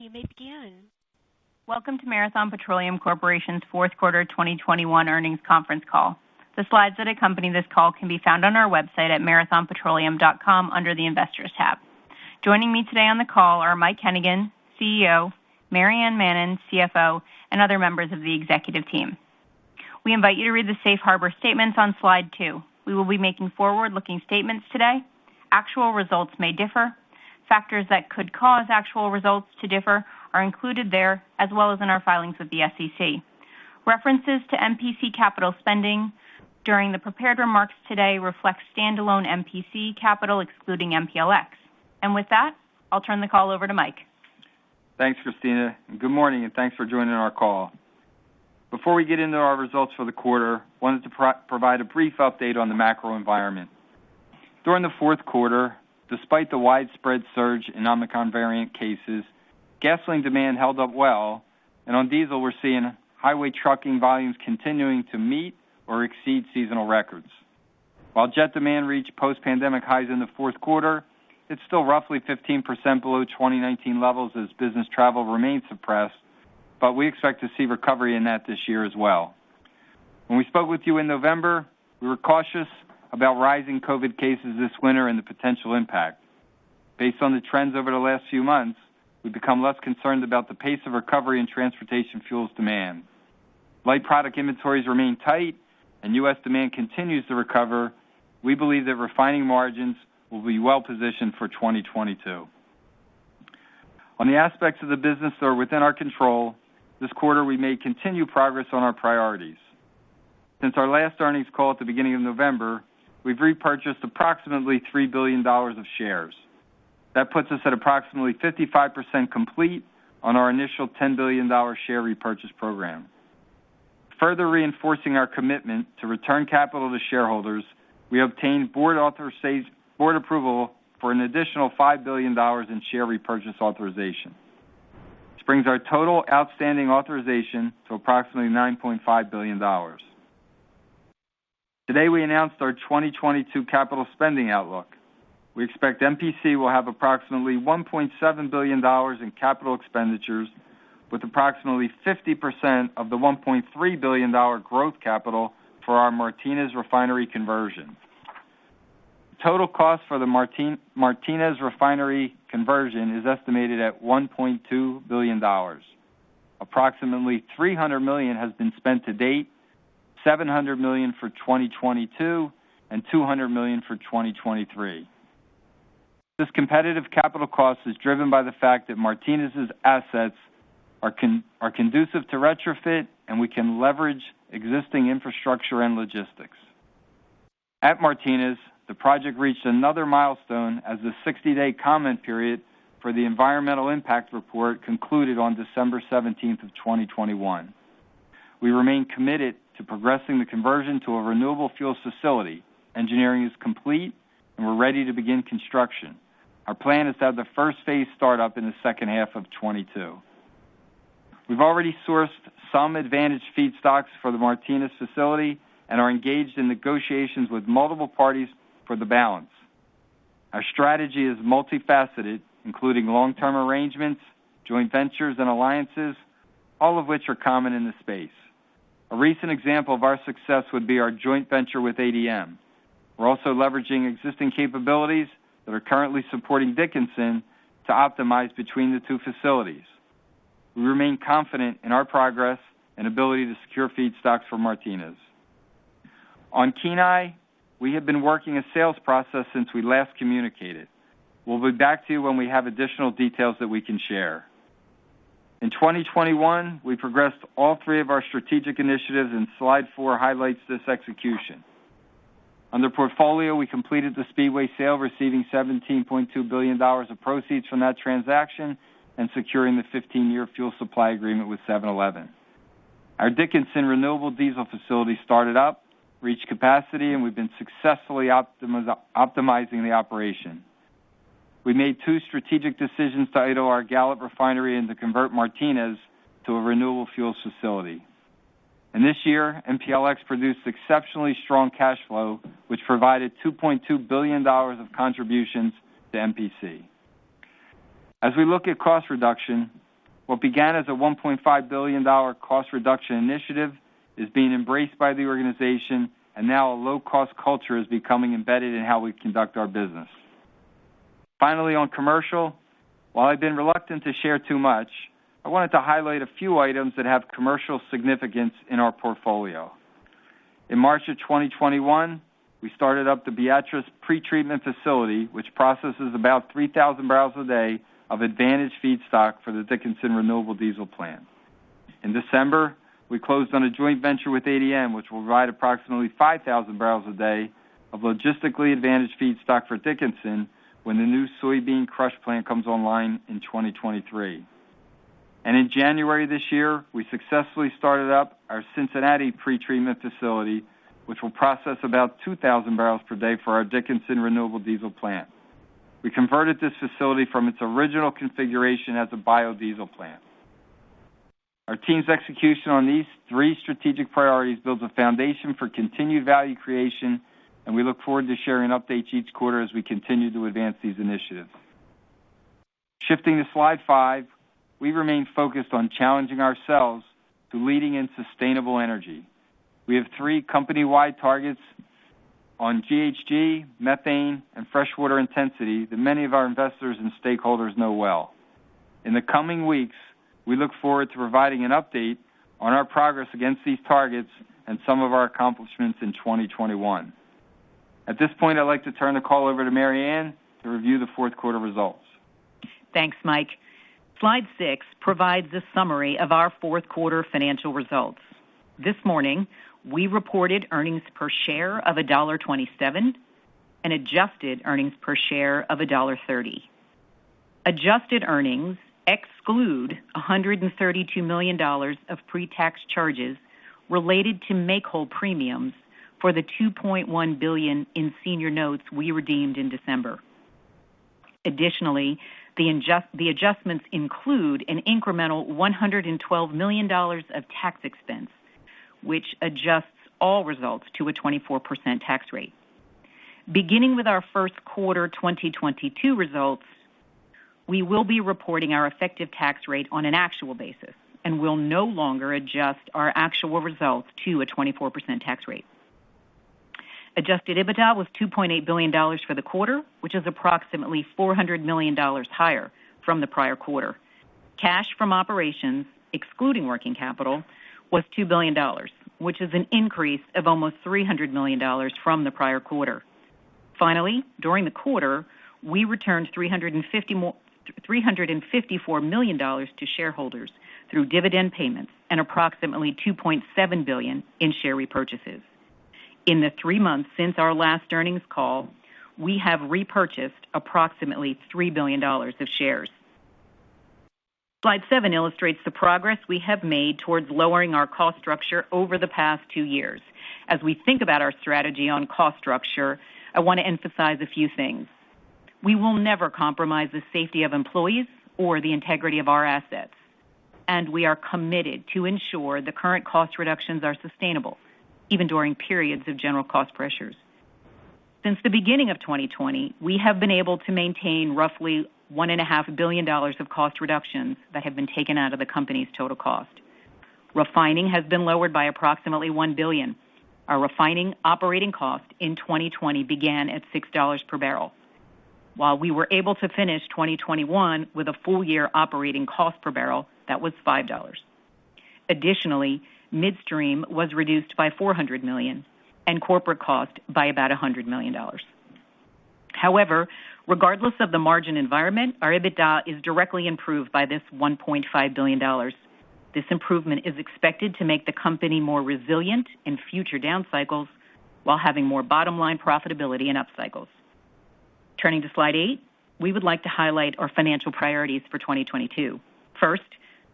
You may begin. Welcome to Marathon Petroleum Corporation's Q4 2021 earnings conference call. The slides that accompany this call can be found on our website at marathonpetroleum.com under the Investors tab. Joining me today on the call are Mike Hennigan, CEO, Maryann Mannen, CFO, and other members of the executive team. We invite you to read the safe harbor statements on slide 2. We will be making forward-looking statements today. Actual results may differ. Factors that could cause actual results to differ are included there, as well as in our filings with the SEC. References to MPC capital spending during the prepared remarks today reflect standalone MPC capital excluding MPLX. With that, I'll turn the call over to Mike. Thanks, Kristina, and good morning, and thanks for joining our call. Before we get into our results for the quarter, wanted to provide a brief update on the macro environment. During the Q4, despite the widespread surge in Omicron variant cases, gasoline demand held up well, and on diesel, we're seeing highway trucking volumes continuing to meet or exceed seasonal records. While jet demand reached post-pandemic highs in the Q4, it's still roughly 15% below 2019 levels as business travel remains suppressed, but we expect to see recovery in that this year as well. When we spoke with you in November, we were cautious about rising COVID cases this winter and the potential impact. Based on the trends over the last few months, we've become less concerned about the pace of recovery and transportation fuels demand. Light product inventories remain tight and U.S. demand continues to recover. We believe that refining margins will be well-positioned for 2022. On the aspects of the business that are within our control, this quarter we made continued progress on our priorities. Since our last earnings call at the beginning of November, we've repurchased approximately $3 billion of shares. That puts us at approximately 55% complete on our initial $10 billion share repurchase program. Further reinforcing our commitment to return capital to shareholders, we obtained board approval for an additional $5 billion in share repurchase authorization, which brings our total outstanding authorization to approximately $9.5 billion. Today, we announced our 2022 capital spending outlook. We expect MPC will have approximately $1.7 billion in capital expenditures with approximately 50% of the $1.3 billion growth capital for our Martinez refinery conversion. TotalEnergies cost for the Martinez refinery conversion is estimated at $1.2 billion. Approximately $300 million has been spent to date, $700 million for 2022, and $200 million for 2023. This competitive capital cost is driven by the fact that Martinez's assets are conducive to retrofit, and we can leverage existing infrastructure and logistics. At Martinez, the project reached another milestone as the 60-day comment period for the environmental impact report concluded on December 17, 2021. We remain committed to progressing the conversion to a renewable fuel facility. Engineering is complete, and we're ready to begin construction. Our plan is to have the first phase start up in the second half of 2022. We've already sourced some advantaged feedstocks for the Martinez facility and are engaged in negotiations with multiple parties for the balance. Our strategy is multifaceted, including long-term arrangements, joint ventures, and alliances, all of which are common in this space. A recent example of our success would be our joint venture with ADM. We're also leveraging existing capabilities that are currently supporting Dickinson to optimize between the two facilities. We remain confident in our progress and ability to secure feedstocks for Martinez. On Kenai, we have been working a sales process since we last communicated. We'll be back to you when we have additional details that we can share. In 2021, we progressed all three of our strategic initiatives, and slide 4 highlights this execution. Under portfolio, we completed the Speedway sale, receiving $17.2 billion of proceeds from that transaction and securing the 15-year fuel supply agreement with 7-Eleven. Our Dickinson renewable diesel facility started up, reached capacity, and we've been successfully optimizing the operation. We made two strategic decisions to idle our Gallup refinery and to convert Martinez to a renewable fuels facility. This year, MPLX produced exceptionally strong cash flow, which provided $2.2 billion of contributions to MPC. As we look at cost reduction, what began as a $1.5 billion cost reduction initiative is being embraced by the organization, and now a low-cost culture is becoming embedded in how we conduct our business. Finally, on commercial, while I've been reluctant to share too much, I wanted to highlight a few items that have commercial significance in our portfolio. In March 2021, we started up the Beatrice pretreatment facility, which processes about 3,000 barrels a day of advantaged feedstock for the Dickinson Renewable Diesel plant. In December, we closed on a joint venture with ADM, which will provide approximately 5,000 barrels a day of logistically advantaged feedstock for Dickinson when the new soybean crush plant comes online in 2023. In January this year, we successfully started up our Cincinnati pretreatment facility, which will process about 2,000 barrels per day for our Dickinson Renewable Diesel plant. We converted this facility from its original configuration as a biodiesel plant. Our team's execution on these three strategic priorities builds a foundation for continued value creation, and we look forward to sharing updates each quarter as we continue to advance these initiatives. Shifting to slide 5, we remain focused on challenging ourselves and leading in sustainable energy. We have three company-wide targets on GHG, methane, and freshwater intensity that many of our investors and stakeholders know well. In the coming weeks, we look forward to providing an update on our progress against these targets and some of our accomplishments in 2021. At this point, I'd like to turn the call over to Maryann to review the Q4 results. Thanks, Mike. Slide 6 provides a summary of our Q4 financial results. This morning, we reported earnings per share of $1.27 and adjusted earnings per share of $1.30. Adjusted earnings exclude $132 million of pre-tax charges related to make-whole premiums for the $2.1 billion in senior notes we redeemed in December. Additionally, the adjustments include an incremental $112 million of tax expense, which adjusts all results to a 24% tax rate. Beginning with our Q1 2022 results, we will be reporting our effective tax rate on an actual basis, and we'll no longer adjust our actual results to a 24% tax rate. Adjusted EBITDA was $2.8 billion for the quarter, which is approximately $400 million higher from the prior quarter. Cash from operations, excluding working capital, was $2 billion, which is an increase of almost $300 million from the prior quarter. Finally, during the quarter, we returned $354 million to shareholders through dividend payments and approximately $2.7 billion in share repurchases. In the three months since our last earnings call, we have repurchased approximately $3 billion of shares. Slide 7 illustrates the progress we have made towards lowering our cost structure over the past two years. As we think about our strategy on cost structure, I wanna emphasize a few things. We will never compromise the safety of employees or the integrity of our assets, and we are committed to ensure the current cost reductions are sustainable, even during periods of general cost pressures. Since the beginning of 2020, we have been able to maintain roughly $1.5 billion of cost reductions that have been taken out of the company's total cost. Refining has been lowered by approximately $1 billion. Our refining operating cost in 2020 began at $6 per barrel. While we were able to finish 2021 with a full-year operating cost per barrel that was $5. Additionally, midstream was reduced by $400 million and corporate cost by about $100 million. However, regardless of the margin environment, our EBITDA is directly improved by this $1.5 billion. This improvement is expected to make the company more resilient in future down cycles while having more bottom-line profitability in up cycles. Turning to slide 8, we would like to highlight our financial priorities for 2022. First,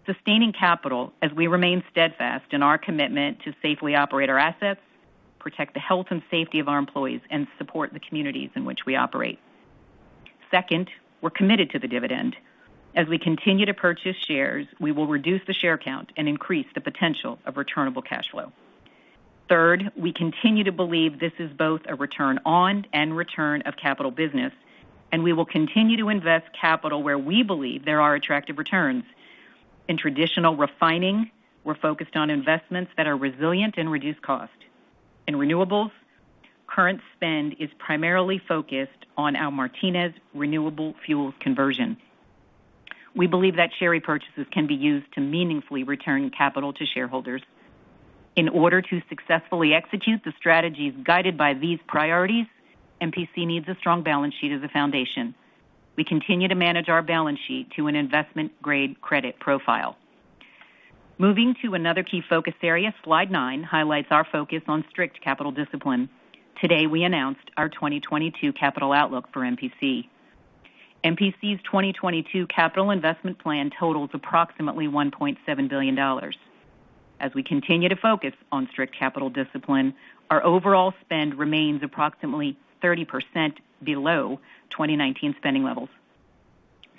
sustaining capital as we remain steadfast in our commitment to safely operate our assets, protect the health and safety of our employees, and support the communities in which we operate. Second, we're committed to the dividend. As we continue to purchase shares, we will reduce the share count and increase the potential of returnable cash flow. Third, we continue to believe this is both a return on and return of capital business, and we will continue to invest capital where we believe there are attractive returns. In traditional refining, we're focused on investments that are resilient and reduce cost. In renewables, current spend is primarily focused on our Martinez Renewable Fuels conversion. We believe that share repurchases can be used to meaningfully return capital to shareholders. In order to successfully execute the strategies guided by these priorities, MPC needs a strong balance sheet as a foundation. We continue to manage our balance sheet to an investment-grade credit profile. Moving to another key focus area, slide 9 highlights our focus on strict capital discipline. Today, we announced our 2022 capital outlook for MPC. MPC's 2022 capital investment plan totals approximately $1.7 billion. As we continue to focus on strict capital discipline, our overall spend remains approximately 30% below 2019 spending levels.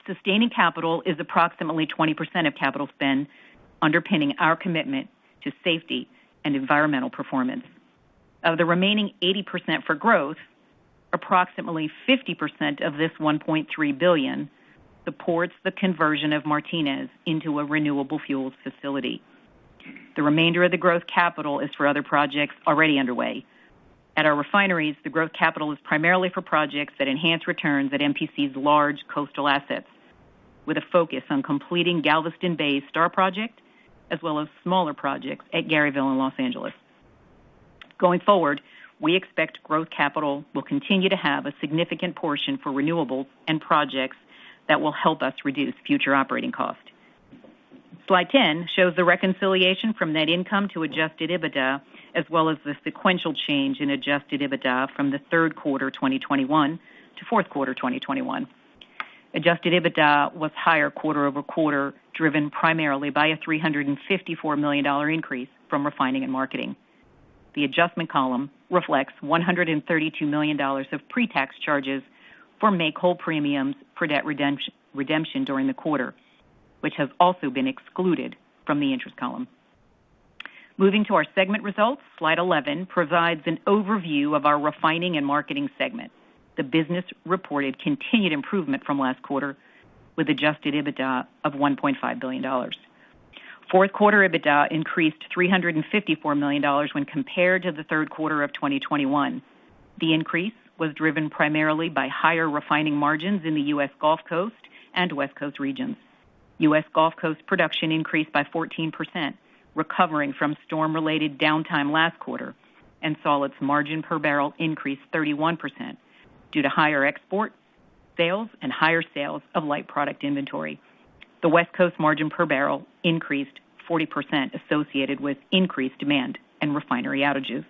Sustaining capital is approximately 20% of capital spend underpinning our commitment to safety and environmental performance. Of the remaining 80% for growth, approximately 50% of this $1.3 billion supports the conversion of Martinez into a renewable fuels facility. The remainder of the growth capital is for other projects already underway. At our refineries, the growth capital is primarily for projects that enhance returns at MPC's large coastal assets, with a focus on completing Galveston Bay's STAR project, as well as smaller projects at Garyville and Los Angeles. Going forward, we expect growth capital will continue to have a significant portion for renewables and projects that will help us reduce future operating costs. Slide 10 shows the reconciliation from net income to adjusted EBITDA as well as the sequential change in adjusted EBITDA from the Q3 2021 to Q4 2021. Adjusted EBITDA was higher quarter-over-quarter, driven primarily by a $354 million increase from Refining and Marketing. The adjustment column reflects $132 million of pre-tax charges for make whole premiums per debt redemption during the quarter, which has also been excluded from the interest column. Moving to our segment results. Slide 11 provides an overview of our Refining and Marketing segment. The business reported continued improvement from last quarter with adjusted EBITDA of $1.5 billion. Q4 EBITDA increased $354 million when compared to the Q3 of 2021. The increase was driven primarily by higher refining margins in the U.S. Gulf Coast and West Coast regions. U.S. Gulf Coast production increased by 14%, recovering from storm related downtime last quarter, and saw its margin per barrel increase 31% due to higher export sales and higher sales of light product inventory. The West Coast margin per barrel increased 40% associated with increased demand and refinery outages.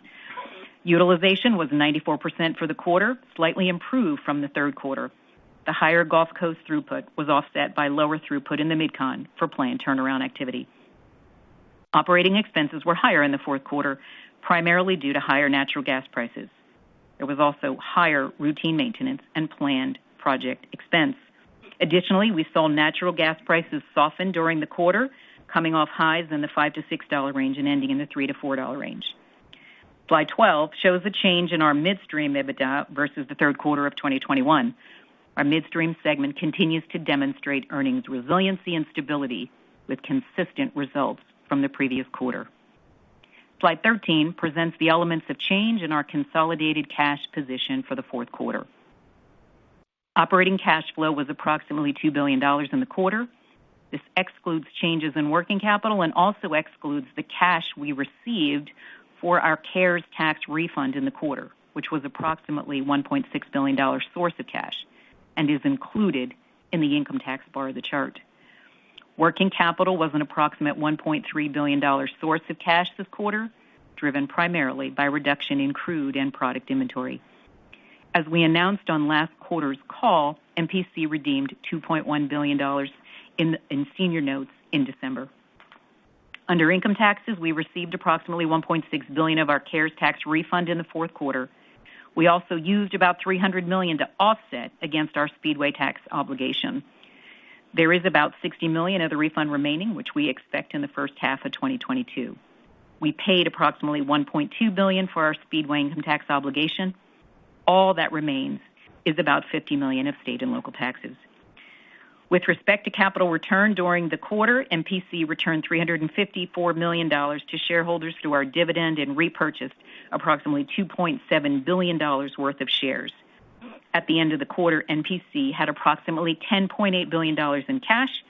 Utilization was 94% for the quarter, slightly improved from the Q3. The higher Gulf Coast throughput was offset by lower throughput in the MidCon for planned turnaround activity. Operating expenses were higher in the Q4, primarily due to higher natural gas prices. There was also higher routine maintenance and planned project expense. Additionally, we saw natural gas prices soften during the quarter, coming off highs in the $5-$6 range and ending in the $3-$4 range. Slide 12 shows a change in our midstream EBITDA versus the Q3 of 2021. Our midstream segment continues to demonstrate earnings resiliency and stability with consistent results from the previous quarter. Slide 13 presents the elements of change in our consolidated cash position for the Q4. Operating cash flow was approximately $2 billion in the quarter. This excludes changes in working capital and also excludes the cash we received for our CARES tax refund in the quarter, which was approximately $1.6 billion source of cash and is included in the income tax bar of the chart. Working capital was an approximate $1.3 billion source of cash this quarter, driven primarily by reduction in crude and product inventory. As we announced on last quarter's call, MPC redeemed $2.1 billion in senior notes in December. Under income taxes, we received approximately $1.6 billion of our CARES tax refund in the Q4. We also used about $300 million to offset against our Speedway tax obligation. There is about $60 million of the refund remaining, which we expect in the first half of 2022. We paid approximately $1.2 billion for our Speedway income tax obligation. All that remains is about $50 million of state and local taxes. With respect to capital return during the quarter, MPC returned $354 million to shareholders through our dividend and repurchased approximately $2.7 billion worth of shares. At the end of the quarter, MPC had approximately $10.8 billion in cash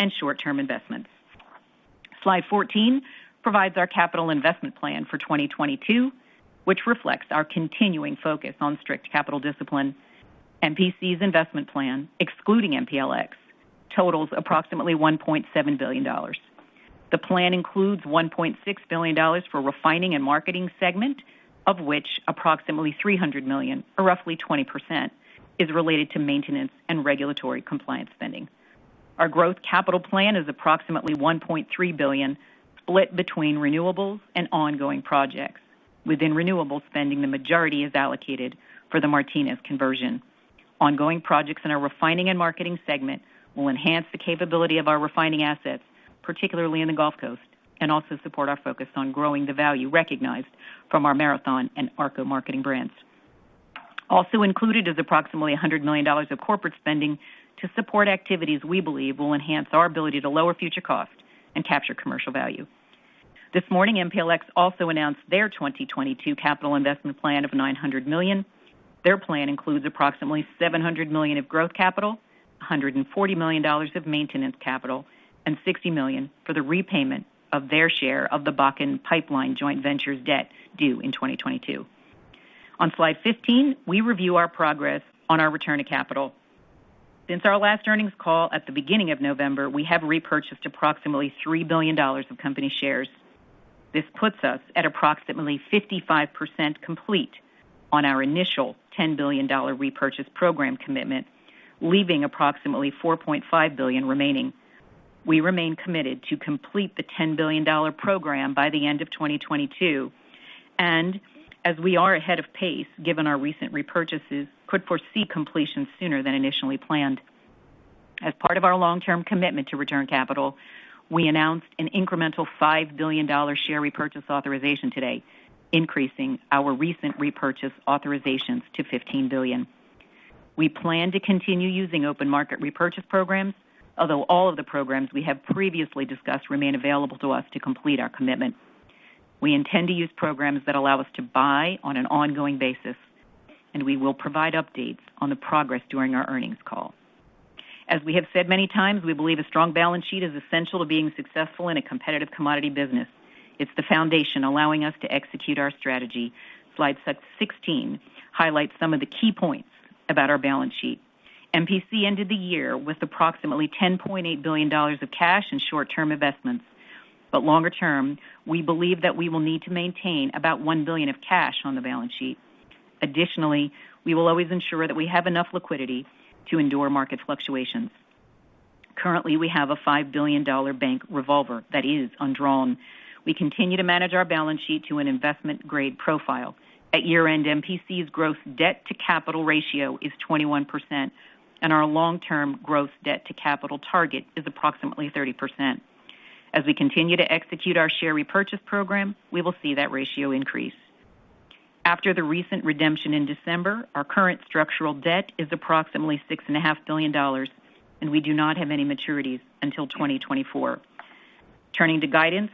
and short-term investments. Slide 14 provides our capital investment plan for 2022, which reflects our continuing focus on strict capital discipline. MPC's investment plan, excluding MPLX, totals approximately $1.7 billion. The plan includes $1.6 billion for refining and marketing segment, of which approximately $300 million, or roughly 20%, is related to maintenance and regulatory compliance spending. Our growth capital plan is approximately $1.3 billion, split between renewables and ongoing projects. Within renewable spending, the majority is allocated for the Martinez conversion. Ongoing projects in our refining and marketing segment will enhance the capability of our refining assets, particularly in the Gulf Coast, and also support our focus on growing the value recognized from our Marathon and ARCO marketing brands. Also included is approximately $100 million of corporate spending to support activities we believe will enhance our ability to lower future costs and capture commercial value. This morning, MPLX also announced their 2022 capital investment plan of $900 million. Their plan includes approximately $700 million of growth capital, $140 million of maintenance capital, and $60 million for the repayment of their share of the Bakken pipeline joint ventures debt due in 2022. On slide 15, we review our progress on our return of capital. Since our last earnings call at the beginning of November, we have repurchased approximately $3 billion of company shares. This puts us at approximately 55% complete on our initial $10 billion repurchase program commitment, leaving approximately $4.5 billion remaining. We remain committed to complete the $10 billion program by the end of 2022 and as we are ahead of pace, given our recent repurchases could foresee completion sooner than initially planned. As part of our long term commitment to return capital, we announced an incremental $5 billion share repurchase authorization today, increasing our recent repurchase authorizations to $15 billion. We plan to continue using open market repurchase programs. Although all of the programs we have previously discussed remain available to us to complete our commitment, we intend to use programs that allow us to buy on an ongoing basis, and we will provide updates on the progress during our earnings call. As we have said many times, we believe a strong balance sheet is essential to being successful in a competitive commodity business. It's the foundation allowing us to execute our strategy. Slide 16 highlights some of the key points about our balance sheet. MPC ended the year with approximately $10.8 billion of cash and short-term investments. Longer term, we believe that we will need to maintain about $1 billion of cash on the balance sheet. Additionally, we will always ensure that we have enough liquidity to endure market fluctuations. Currently, we have a $5 billion bank revolver that is undrawn. We continue to manage our balance sheet to an investment-grade profile. At year-end, MPC's gross debt to capital ratio is 21%, and our long-term gross debt to capital target is approximately 30%. As we continue to execute our share repurchase program, we will see that ratio increase. After the recent redemption in December, our current structural debt is approximately $6.5 billion, and we do not have any maturities until 2024. Turning to guidance,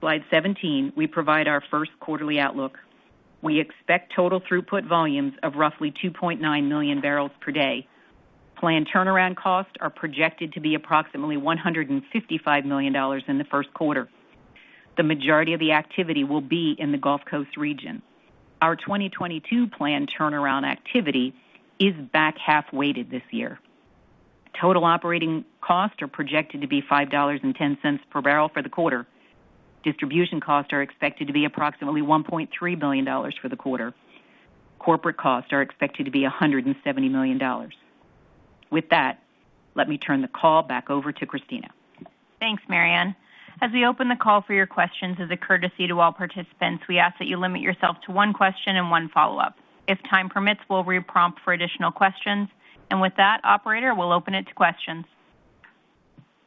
slide 17, we provide our Q1ly outlook. We expect total throughput volumes of roughly 2.9 million barrels per day. Planned turnaround costs are projected to be approximately $155 million in the Q1. The majority of the activity will be in the Gulf Coast region. Our 2022 planned turnaround activity is back half-weighted this year. Total operating costs are projected to be $5.10 per barrel for the quarter. Distribution costs are expected to be approximately $1.3 billion for the quarter. Corporate costs are expected to be $170 million. With that, let me turn the call back over to Kristina. Thanks, Maryann. As we open the call for your questions as a courtesy to all participants, we ask that you limit yourself to one question and one follow-up. If time permits, we'll re-prompt for additional questions. With that, operator, we'll open it to questions.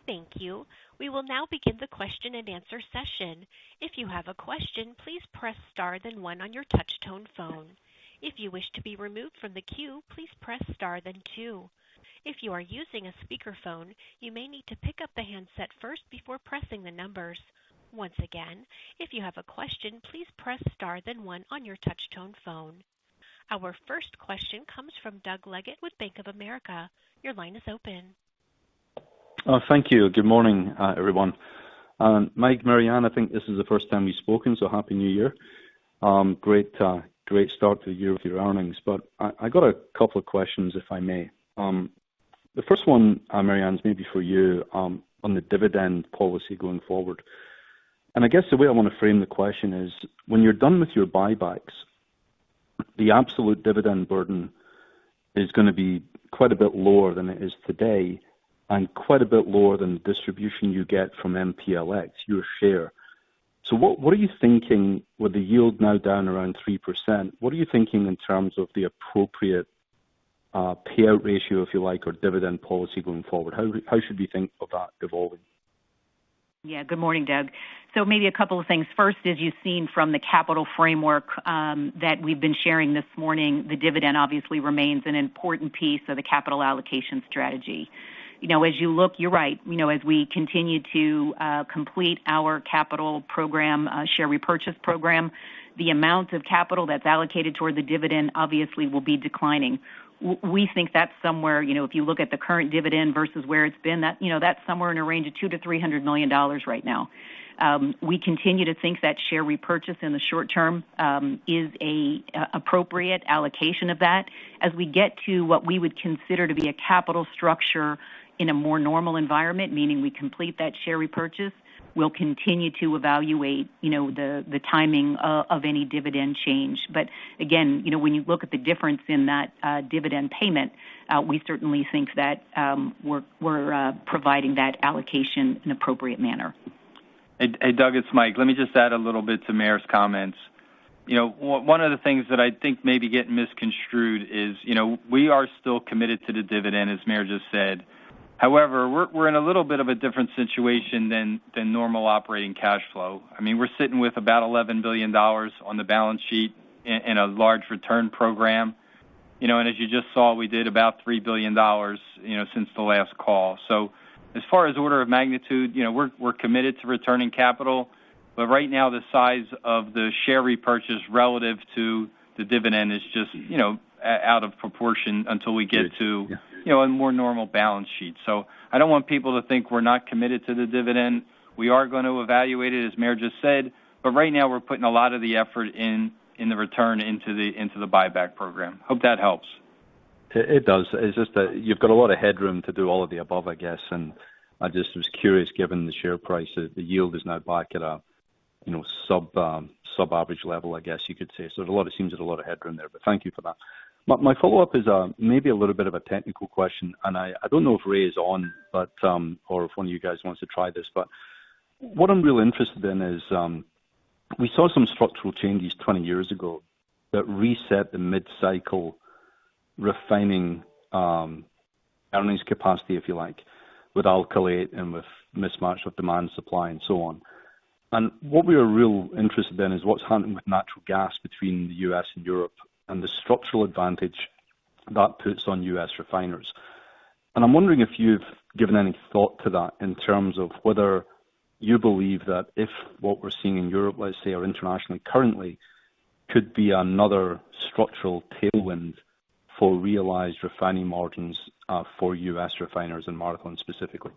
Thank you. We will now begin the question-and-answer session. If you have a question, please press star then one on your touch-tone phone. If you wish to be removed from the queue, please press star then two. If you are using a speakerphone, you may need to pick up the handset first before pressing the numbers. Once again, if you have a question, please press star then one on your touch-tone phone. Our first question comes from Doug Leggate with Bank of America. Your line is open. Thank you. Good morning, everyone. Mike, Maryann, I think this is the first time we've spoken, so happy New Year. Great start to the year with your earnings. I got a couple of questions, if I may. The first one, Maryann, is maybe for you, on the dividend policy going forward. I guess the way I want to frame the question is, when you're done with your buybacks, the absolute dividend burden is gonna be quite a bit lower than it is today and quite a bit lower than the distribution you get from MPLX, your share. What are you thinking with the yield now down around 3%? What are you thinking in terms of the appropriate payout ratio, if you like, or dividend policy going forward? How should we think of that evolving? Yeah, good morning, Doug. Maybe a couple of things. First, as you've seen from the capital framework that we've been sharing this morning, the dividend obviously remains an important piece of the capital allocation strategy. You know, as you look, you're right. You know, as we continue to complete our capital program, share repurchase program, the amount of capital that's allocated toward the dividend obviously will be declining. We think that's somewhere, you know, if you look at the current dividend versus where it's been, that, you know, that's somewhere in a range of $200 million-$300 million right now. We continue to think that share repurchase in the short term is an appropriate allocation of that. As we get to what we would consider to be a capital structure in a more normal environment, meaning we complete that share repurchase, we'll continue to evaluate, you know, the timing of any dividend change. Again, you know, when you look at the difference in that dividend payment, we certainly think that we're providing that allocation in an appropriate manner. Hey, hey, Doug, it's Mike. Let me just add a little bit to Maryann's comments. You know, one of the things that I think may be getting misconstrued is, you know, we are still committed to the dividend, as Maryann just said. However, we're in a little bit of a different situation than normal operating cash flow. I mean, we're sitting with about $11 billion on the balance sheet in a large return program, you know, and as you just saw, we did about $3 billion, you know, since the last call. As far as order of magnitude, you know, we're committed to returning capital. Right now, the size of the share repurchase relative to the dividend is just, you know, out of proportion until we get to. You know, a more normal balance sheet. I don't want people to think we're not committed to the dividend. We are gonna evaluate it, as Maryann just said. Right now we're putting a lot of the effort in the return into the buyback program. Hope that helps. It does. It's just that you've got a lot of headroom to do all of the above, I guess. I just was curious, given the share price, the yield is now back at a, you know, sub-average level, I guess you could say. There's a lot of headroom there, but thank you for that. My follow-up is maybe a little bit of a technical question, and I don't know if Ray is on, but or if one of you guys wants to try this. What I'm really interested in is we saw some structural changes 20 years ago that reset the mid-cycle refining earnings capacity, if you like, with alkylate and with mismatch of demand, supply and so on. What we are really interested in is what's happening with natural gas between the U.S. and Europe and the structural advantage that puts on U.S. refiners. I'm wondering if you've given any thought to that in terms of whether you believe that if what we're seeing in Europe, let's say, or internationally currently, could be another structural tailwind for realized refining margins for U.S. refiners and Marathon specifically.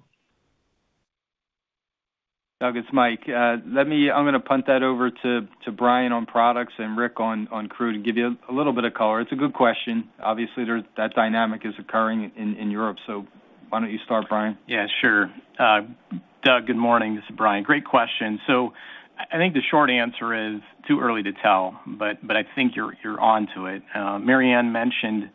Doug, it's Mike. I'm gonna punt that over to Brian on products and Rick on crude to give you a little bit of color. It's a good question. Obviously, that dynamic is occurring in Europe. Why don't you start, Brian? Yeah, sure. Doug, good morning. This is Brian. Great question. I think the short answer is too early to tell, but I think you're on to it. Maryann mentioned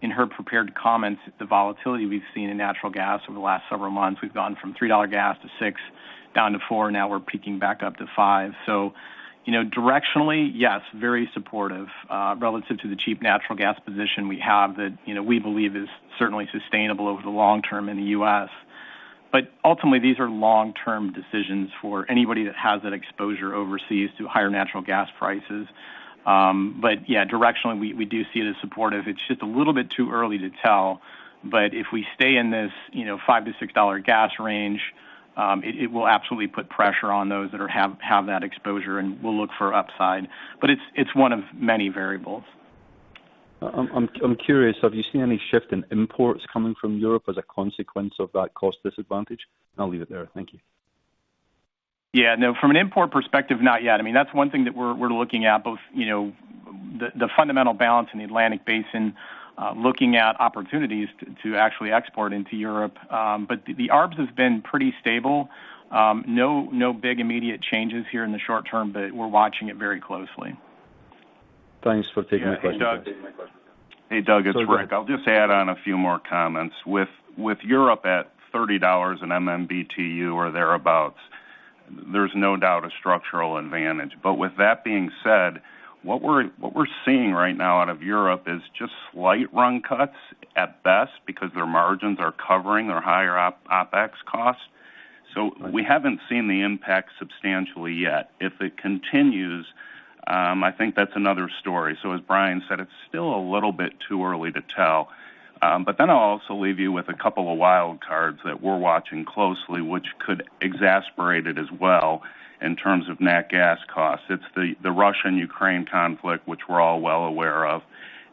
in her prepared comments the volatility we've seen in natural gas over the last several months. We've gone from $3 gas to $6, down to $4, now we're peaking back up to $5. You know, directionally, yes, very supportive, relative to the cheap natural gas position we have that, you know, we believe is certainly sustainable over the long term in the U.S. Ultimately, these are long-term decisions for anybody that has that exposure overseas to higher natural gas prices. Yeah, directionally, we do see it as supportive. It's just a little bit too early to tell. If we stay in this, you know, $5-$6 gas range, it will absolutely put pressure on those that have that exposure, and we'll look for upside. It's one of many variables. I'm curious, have you seen any shift in imports coming from Europe as a consequence of that cost disadvantage? I'll leave it there. Thank you. Yeah, no, from an import perspective, not yet. I mean, that's one thing that we're looking at, both, you know, the fundamental balance in the Atlantic Basin, looking at opportunities to actually export into Europe. But the arbs has been pretty stable. No big immediate changes here in the short term, but we're watching it very closely. Thanks for taking the question. Yeah. Thanks for taking my question. Hey, Doug, it's Rick. I'll just add on a few more comments. With Europe at $30/MMBTU or thereabout, there's no doubt a structural advantage. With that being said, what we're seeing right now out of Europe is just slight run cuts at best because their margins are covering their higher OpEx costs. We haven't seen the impact substantially yet. If it continues, I think that's another story. As Brian said, it's still a little bit too early to tell. I'll also leave you with a couple of wild cards that we're watching closely, which could exacerbate it as well in terms of nat gas costs. It's the Russia-Ukraine conflict, which we're all well aware of,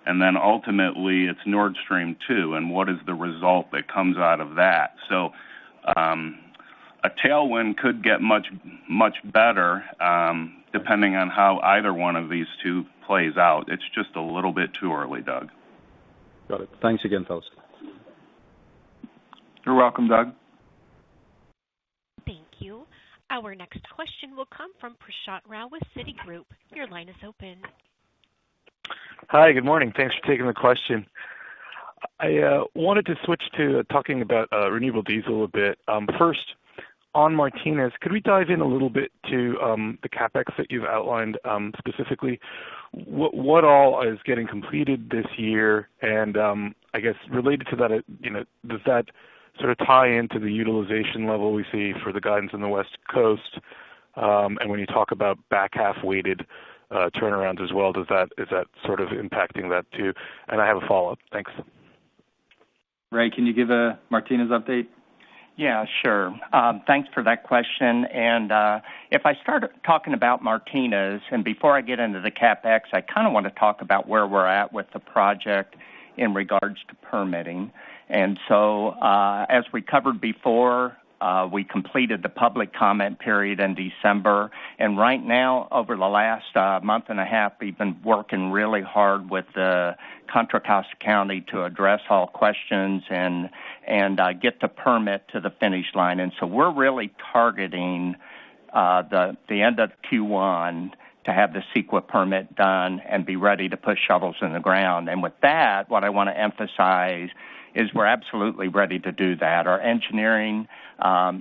and then ultimately it's Nord Stream 2 and what is the result that comes out of that. A tailwind could get much better, depending on how either one of these two plays out. It's just a little bit too early, Doug. Got it. Thanks again, folks. You're welcome, Doug. Thank you. Our next question will come from Prashant Rao with Citigroup. Your line is open. Hi. Good morning. Thanks for taking the question. I wanted to switch to talking about renewable diesel a bit. First on Martinez, could we dive in a little bit to the CapEx that you've outlined specifically? What all is getting completed this year? I guess related to that, you know, does that sort of tie into the utilization level we see for the guidance on the West Coast? When you talk about back-half weighted turnarounds as well, is that sort of impacting that too? I have a follow-up. Thanks. Ray, can you give a Martinez update? Yeah, sure. Thanks for that question. If I start talking about Martinez, and before I get into the CapEx, I kind of want to talk about where we're at with the project in regards to permitting. As we covered before, we completed the public comment period in December. Right now, over the last month and a half, we've been working really hard with the Contra Costa County to address all questions and get the permit to the finish line. We're really targeting the end of Q1 to have the CEQA permit done and be ready to put shovels in the ground. With that, what I wanna emphasize is we're absolutely ready to do that. Our engineering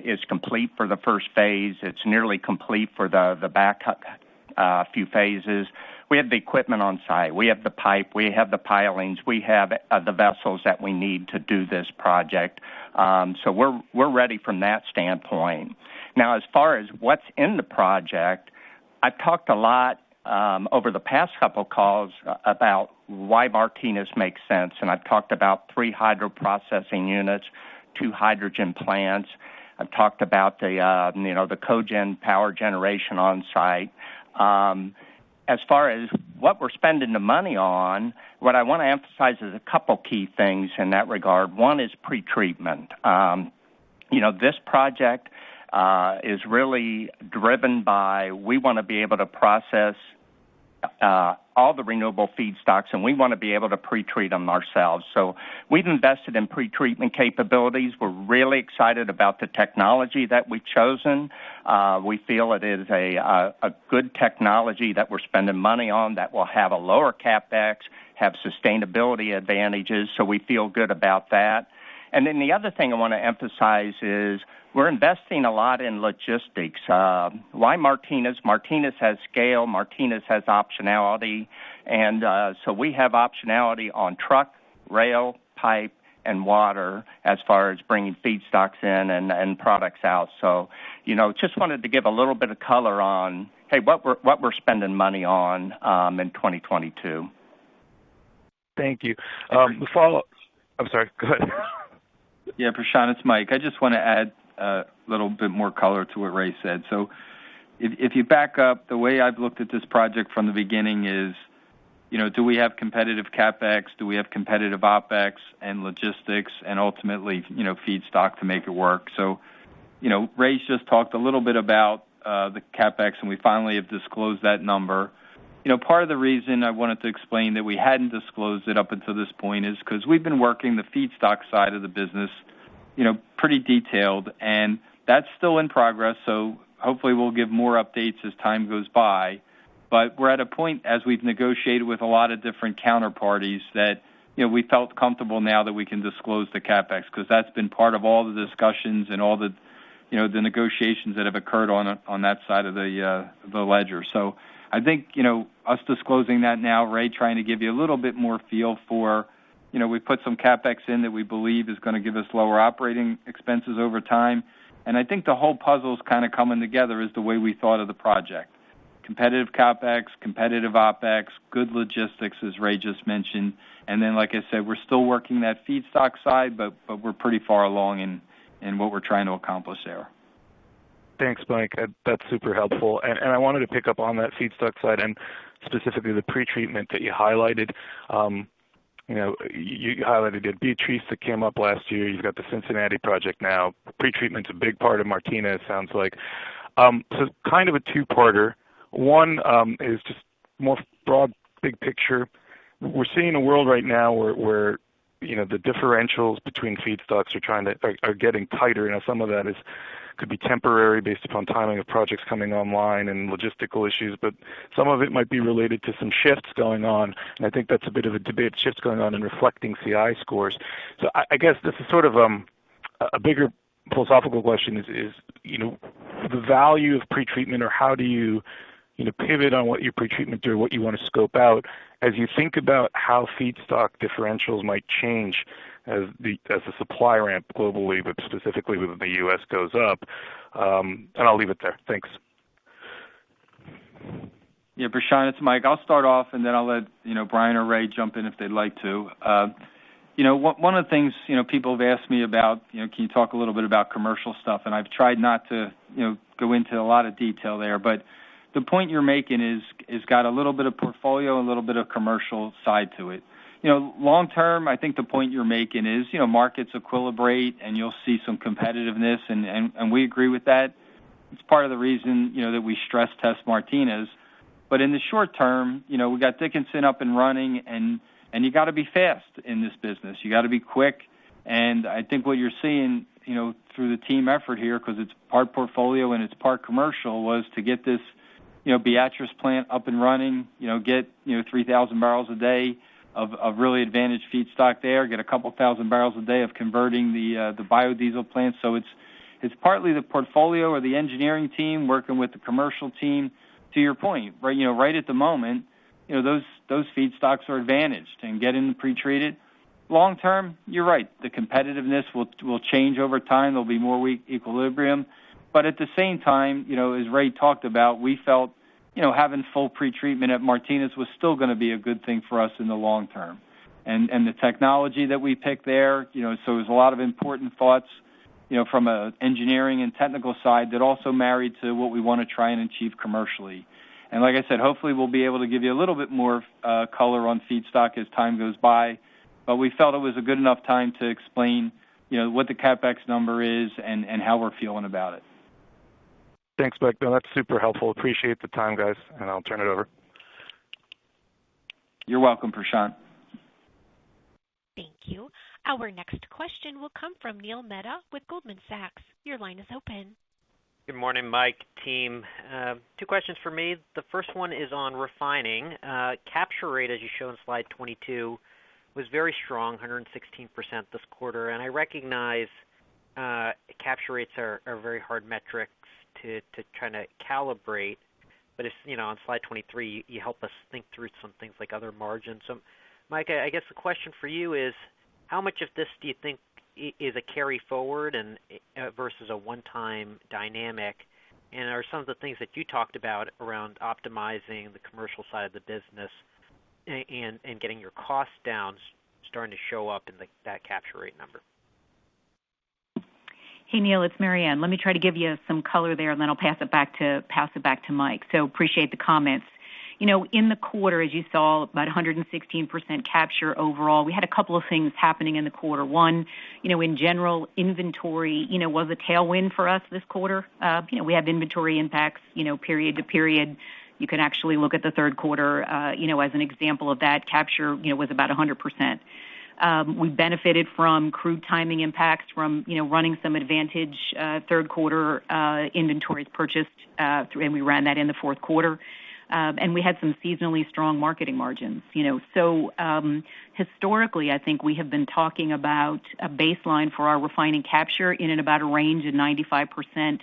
is complete for the first phase. It's nearly complete for the backup few phases. We have the equipment on site. We have the pipe. We have the pilings. We have the vessels that we need to do this project. We're ready from that standpoint. Now, as far as what's in the project, I've talked a lot over the past couple calls about why Martinez makes sense, and I've talked about three hydroprocessing units, two hydrogen plants. I've talked about the you know the cogen power generation on site. As far as what we're spending the money on, what I wanna emphasize is a couple key things in that regard. One is pretreatment. You know, this project is really driven by we wanna be able to process all the renewable feedstocks, and we wanna be able to pretreat them ourselves. We've invested in pretreatment capabilities. We're really excited about the technology that we've chosen. We feel it is a good technology that we're spending money on that will have a lower CapEx, have sustainability advantages, so we feel good about that. Then the other thing I wanna emphasize is we're investing a lot in logistics. Why Martinez? Martinez has scale, Martinez has optionality. We have optionality on truck, rail, pipe, and water as far as bringing feedstocks in and products out. You know, just wanted to give a little bit of color on, hey, what we're spending money on in 2022. Thank you. I'm sorry, go ahead. Yeah, Prashant, it's Mike. I just wanna add a little bit more color to what Ray said. If you back up, the way I've looked at this project from the beginning is, you know, do we have competitive CapEx? Do we have competitive OpEx and logistics and ultimately, you know, feedstock to make it work? You know, Ray's just talked a little bit about the CapEx, and we finally have disclosed that number. You know, part of the reason I wanted to explain that we hadn't disclosed it up until this point is 'cause we've been working the feedstock side of the business. You know, pretty detailed, and that's still in progress, so hopefully we'll give more updates as time goes by. We're at a point, as we've negotiated with a lot of different counterparties, that, you know, we felt comfortable now that we can disclose the CapEx, 'cause that's been part of all the discussions and all the, you know, the negotiations that have occurred on that side of the ledger. I think, you know, us disclosing that now, Ray trying to give you a little bit more feel for, you know, we put some CapEx in that we believe is gonna give us lower operating expenses over time. I think the whole puzzle is kind of coming together as the way we thought of the project. Competitive CapEx, competitive OpEx, good logistics, as Ray just mentioned. like I said, we're still working that feedstock side, but we're pretty far along in what we're trying to accomplish there. Thanks, Mike. That's super helpful. I wanted to pick up on that feedstock side and specifically the pretreatment that you highlighted. You know, you highlighted that Beatrice that came up last year. You've got the Cincinnati project now. Pretreatment's a big part of Martinez, sounds like. Kind of a two-parter. One, is just more broad, big picture. We're seeing a world right now where you know, the differentials between feedstocks are getting tighter. Now some of that could be temporary based upon timing of projects coming online and logistical issues, but some of it might be related to some shifts going on, and I think that's a bit of a debate, shifts going on in reflecting CI scores. I guess this is sort of a bigger philosophical question is you know the value of pretreatment or how do you you know pivot on what your pretreatment do or what you want to scope out as you think about how feedstock differentials might change as the supply ramp globally, but specifically the U.S. goes up. I'll leave it there. Thanks. Yeah, Prashant, it's Mike. I'll start off, and then I'll let, you know, Brian or Ray jump in if they'd like to. You know, one of the things, you know, people have asked me about, you know, can you talk a little bit about commercial stuff? I've tried not to, you know, go into a lot of detail there, but the point you're making is got a little bit of portfolio, a little bit of commercial side to it. You know, long term, I think the point you're making is, you know, markets equilibrate and you'll see some competitiveness and we agree with that. It's part of the reason, you know, that we stress test Martinez. In the short term, you know, we've got Dickinson up and running and you gotta be fast in this business. You gotta be quick. I think what you're seeing, you know, through the team effort here, 'cause it's part portfolio and it's part commercial, was to get this, you know, Beatrice plant up and running, you know, get, you know, 3,000 barrels a day of really advantaged feedstock there, get a couple thousand barrels a day of converting the biodiesel plant. It's partly the portfolio or the engineering team working with the commercial team. To your point, right, you know, right at the moment, you know, those feedstocks are advantaged and getting them pretreated. Long term, you're right. The competitiveness will change over time. There'll be more equilibrium. But at the same time, you know, as Ray talked about, we felt, you know, having full pretreatment at Martinez was still gonna be a good thing for us in the long term. The technology that we picked there, you know, so it was a lot of important thoughts, you know, from an engineering and technical side that also married to what we wanna try and achieve commercially. Like I said, hopefully we'll be able to give you a little bit more color on feedstock as time goes by, but we felt it was a good enough time to explain, you know, what the CapEx number is and how we're feeling about it. Thanks, Mike. No, that's super helpful. Appreciate the time, guys, and I'll turn it over. You're welcome, Prashant. Thank you. Our next question will come from Neil Mehta with Goldman Sachs. Your line is open. Good morning, Mike, team. Two questions from me. The first one is on refining. Capture rate, as you show in slide 22, was very strong, 116% this quarter. I recognize capture rates are very hard metrics to try to calibrate. As you know, on slide 23, you help us think through some things like other margins. Mike, I guess the question for you is: How much of this do you think is a carry-forward versus a one-time dynamic? Are some of the things that you talked about around optimizing the commercial side of the business and getting your costs down starting to show up in that capture rate number? Hey, Neil, it's Maryann. Let me try to give you some color there, and then I'll pass it back to Mike. Appreciate the comments. You know, in the quarter, as you saw, about 116% capture overall. We had a couple of things happening in the quarter. One, you know, in general, inventory, you know, was a tailwind for us this quarter. You know, we have inventory impacts, you know, period to period. You can actually look at the Q3, you know, as an example of that. Capture, you know, was about 100%. We benefited from crude timing impacts from, you know, running some advantage, Q3, inventories purchased, and we ran that in the Q4. We had some seasonally strong marketing margins, you know. Historically, I think we have been talking about a baseline for our refining capture in and about a range of 95%.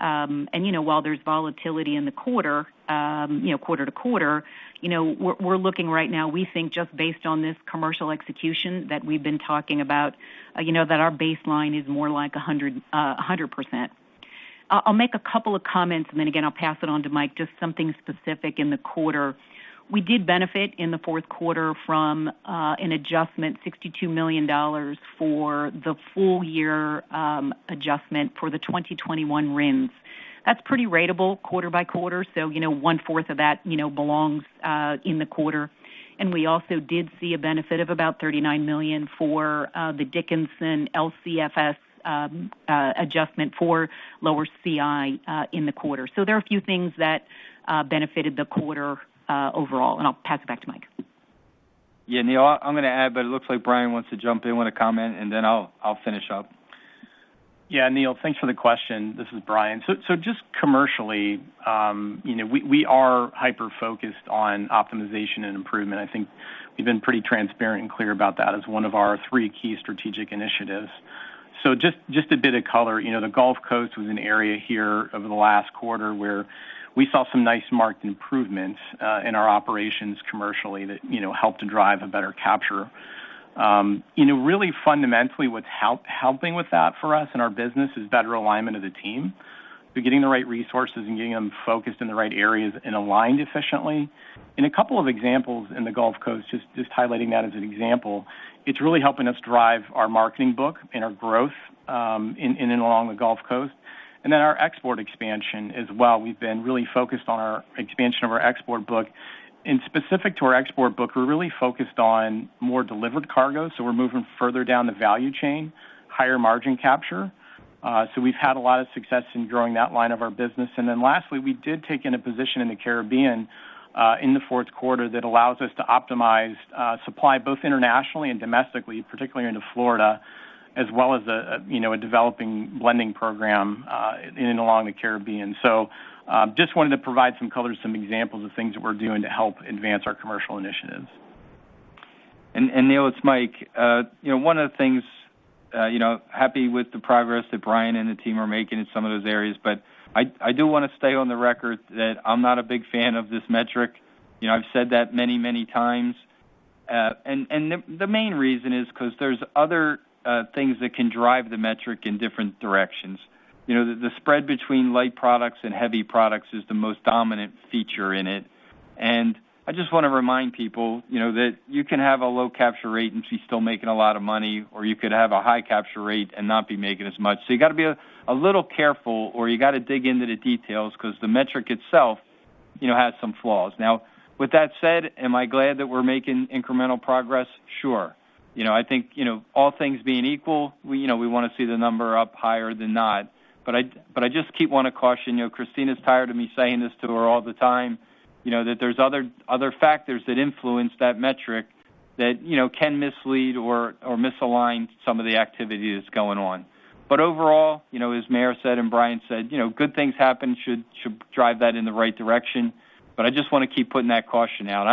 You know, while there's volatility in the quarter, you know, quarter to quarter, you know, we're looking right now, we think, just based on this commercial execution that we've been talking about, you know, that our baseline is more like a 100%. I'll make a couple of comments, and then again, I'll pass it on to Mike, just something specific in the quarter. We did benefit in the Q4 from an adjustment, $62 million for the full year, adjustment for the 2021 RINS. That's pretty ratable quarter by quarter, so, you know, one-fourth of that, you know, belongs in the quarter. We also did see a benefit of about $39 million for the Dickinson LCFS adjustment for lower CI in the quarter. There are a few things that benefited the quarter overall, and I'll pass it back to Mike. Yeah, Neil, I'm gonna add, but it looks like Brian wants to jump in with a comment, and then I'll finish up. Yeah, Neil, thanks for the question. This is Brian. Just commercially, you know, we are hyper-focused on optimization and improvement. I think we've been pretty transparent and clear about that as one of our three key strategic initiatives. Just a bit of color. You know, the Gulf Coast was an area here over the last quarter where we saw some nice marked improvements in our operations commercially that, you know, helped to drive a better capture. You know, really fundamentally, what's helping with that for us in our business is better alignment of the team. We're getting the right resources and getting them focused in the right areas and aligned efficiently. A couple of examples in the Gulf Coast, highlighting that as an example, it's really helping us drive our marketing book and our growth in and along the Gulf Coast. Then our export expansion as well. We've been really focused on our expansion of our export book. Specific to our export book, we're really focused on more delivered cargo, so we're moving further down the value chain, higher margin capture. So we've had a lot of success in growing that line of our business. Then lastly, we did take in a position in the Caribbean in the Q4 that allows us to optimize supply both internationally and domestically, particularly into Florida, as well as, you know, a developing blending program in and along the Caribbean. Just wanted to provide some color, some examples of things that we're doing to help advance our commercial initiatives. Neil, it's Mike. You know, one of the things, you know, happy with the progress that Brian and the team are making in some of those areas, but I do wanna stay on the record that I'm not a big fan of this metric. You know, I've said that many times. The main reason is 'cause there's other things that can drive the metric in different directions. You know, the spread between light products and heavy products is the most dominant feature in it. I just wanna remind people, you know, that you can have a low capture rate and she's still making a lot of money, or you could have a high capture rate and not be making as much. You gotta be a little careful, or you gotta dig into the details 'cause the metric itself, you know, has some flaws. Now, with that said, am I glad that we're making incremental progress? Sure. You know, I think, you know, all things being equal, we, you know, we wanna see the number up higher than not. But I just keep wanna caution, you know, Kristina is tired of me saying this to her all the time, you know, that there's other factors that influence that metric that, you know, can mislead or misalign some of the activity that's going on. But overall, you know, as Maryann said and Brian said, you know, good things happen, should drive that in the right direction, but I just wanna keep putting that caution out.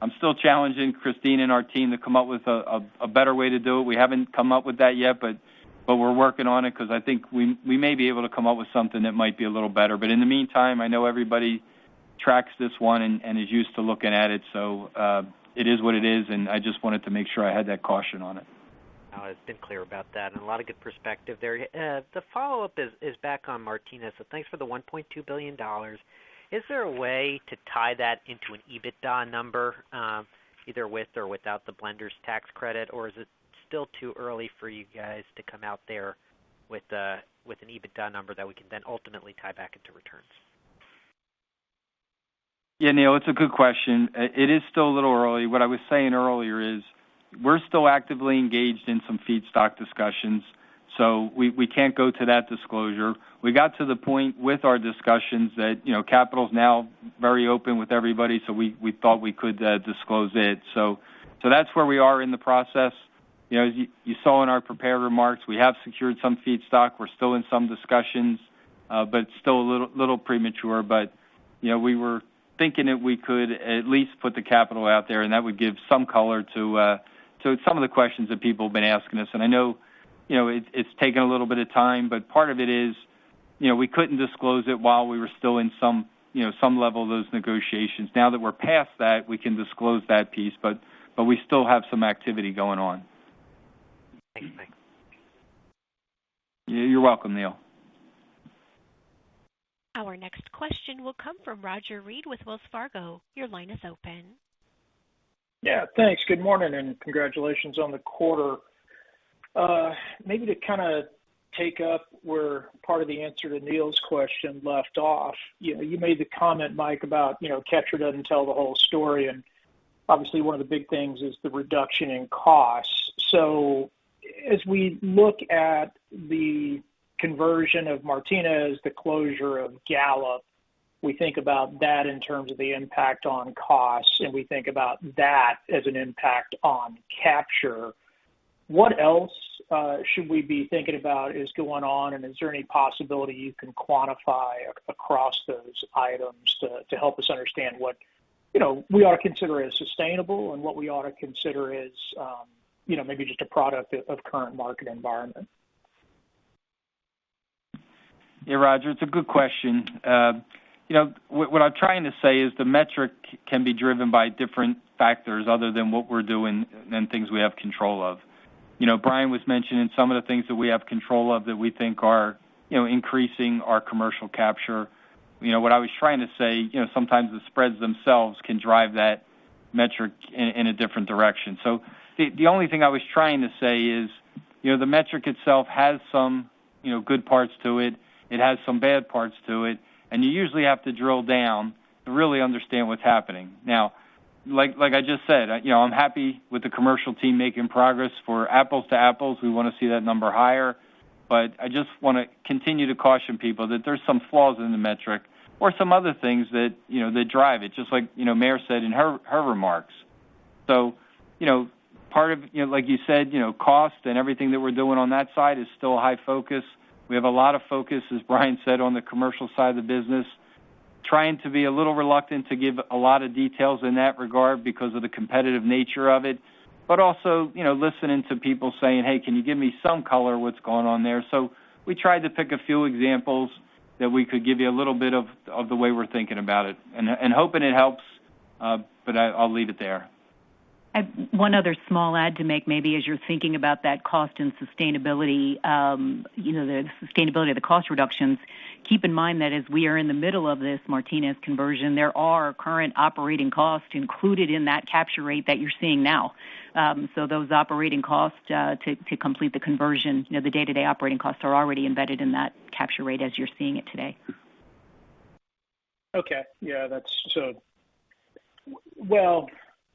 I'm still challenging Kristina and our team to come up with a better way to do it. We haven't come up with that yet, but we're working on it 'cause I think we may be able to come up with something that might be a little better. In the meantime, I know everybody tracks this one and is used to looking at it. It is what it is, and I just wanted to make sure I had that caution on it. No, it's been clear about that, and a lot of good perspective there. The follow-up is back on Martinez. Thanks for the $1.2 billion. Is there a way to tie that into an EBITDA number, either with or without the blender's tax credit? Or is it still too early for you guys to come out there with an EBITDA number that we can then ultimately tie back into returns? Yeah, Neil, it's a good question. It is still a little early. What I was saying earlier is we're still actively engaged in some feedstock discussions, so we can't go to that disclosure. We got to the point with our discussions that, you know, capital is now very open with everybody, so we thought we could disclose it. That's where we are in the process. You know, as you saw in our prepared remarks, we have secured some feedstock. We're still in some discussions, but it's still a little premature. You know, we were thinking that we could at least put the capital out there, and that would give some color to some of the questions that people have been asking us. I know, you know, it's taken a little bit of time, but part of it is, you know, we couldn't disclose it while we were still in some, you know, some level of those negotiations. Now that we're past that, we can disclose that piece, but we still have some activity going on. Thanks. You're welcome, Neil. Our next question will come from Roger Read with Wells Fargo. Your line is open. Yeah, thanks. Good morning, and congratulations on the quarter. Maybe to kinda take up where part of the answer to Neil's question left off. You know, you made the comment, Mike, about, you know, capture doesn't tell the whole story, and obviously one of the big things is the reduction in costs. As we look at the conversion of Martinez, the closure of Gallup, we think about that in terms of the impact on costs, and we think about that as an impact on capture. What else should we be thinking about is going on, and is there any possibility you can quantify across those items to help us understand what, you know, we ought to consider as sustainable and what we ought to consider as, you know, maybe just a product of current market environment? Yeah, Roger, it's a good question. You know, what I'm trying to say is the metric can be driven by different factors other than what we're doing and things we have control of. You know, Brian was mentioning some of the things that we have control of that we think are, you know, increasing our commercial capture. You know, what I was trying to say, you know, sometimes the spreads themselves can drive that metric in a different direction. The only thing I was trying to say is, you know, the metric itself has some, you know, good parts to it has some bad parts to it, and you usually have to drill down to really understand what's happening. Now, like I just said, you know, I'm happy with the commercial team making progress. For apples to apples, we wanna see that number higher. But I just want to continue to caution people that there's some flaws in the metric or some other things that, you know, that drive it, just like, you know, Maryann said in her remarks. You know, part of, you know, like you said, you know, cost and everything that we're doing on that side is still a high focus. We have a lot of focus, as Brian said, on the commercial side of the business. Trying to be a little reluctant to give a lot of details in that regard because of the competitive nature of it, but also, you know, listening to people saying, "Hey, can you give me some color on what's going on there?" We tried to pick a few examples that we could give you a little bit of the way we're thinking about it. Hoping it helps, but I'll leave it there. I have one other small add to make maybe as you're thinking about that cost and sustainability, you know, the sustainability of the cost reductions. Keep in mind that as we are in the middle of this Martinez conversion, there are current operating costs included in that capture rate that you're seeing now. So those operating costs to complete the conversion, you know, the day-to-day operating costs are already embedded in that capture rate as you're seeing it today. Okay. Yeah, that's so. Well,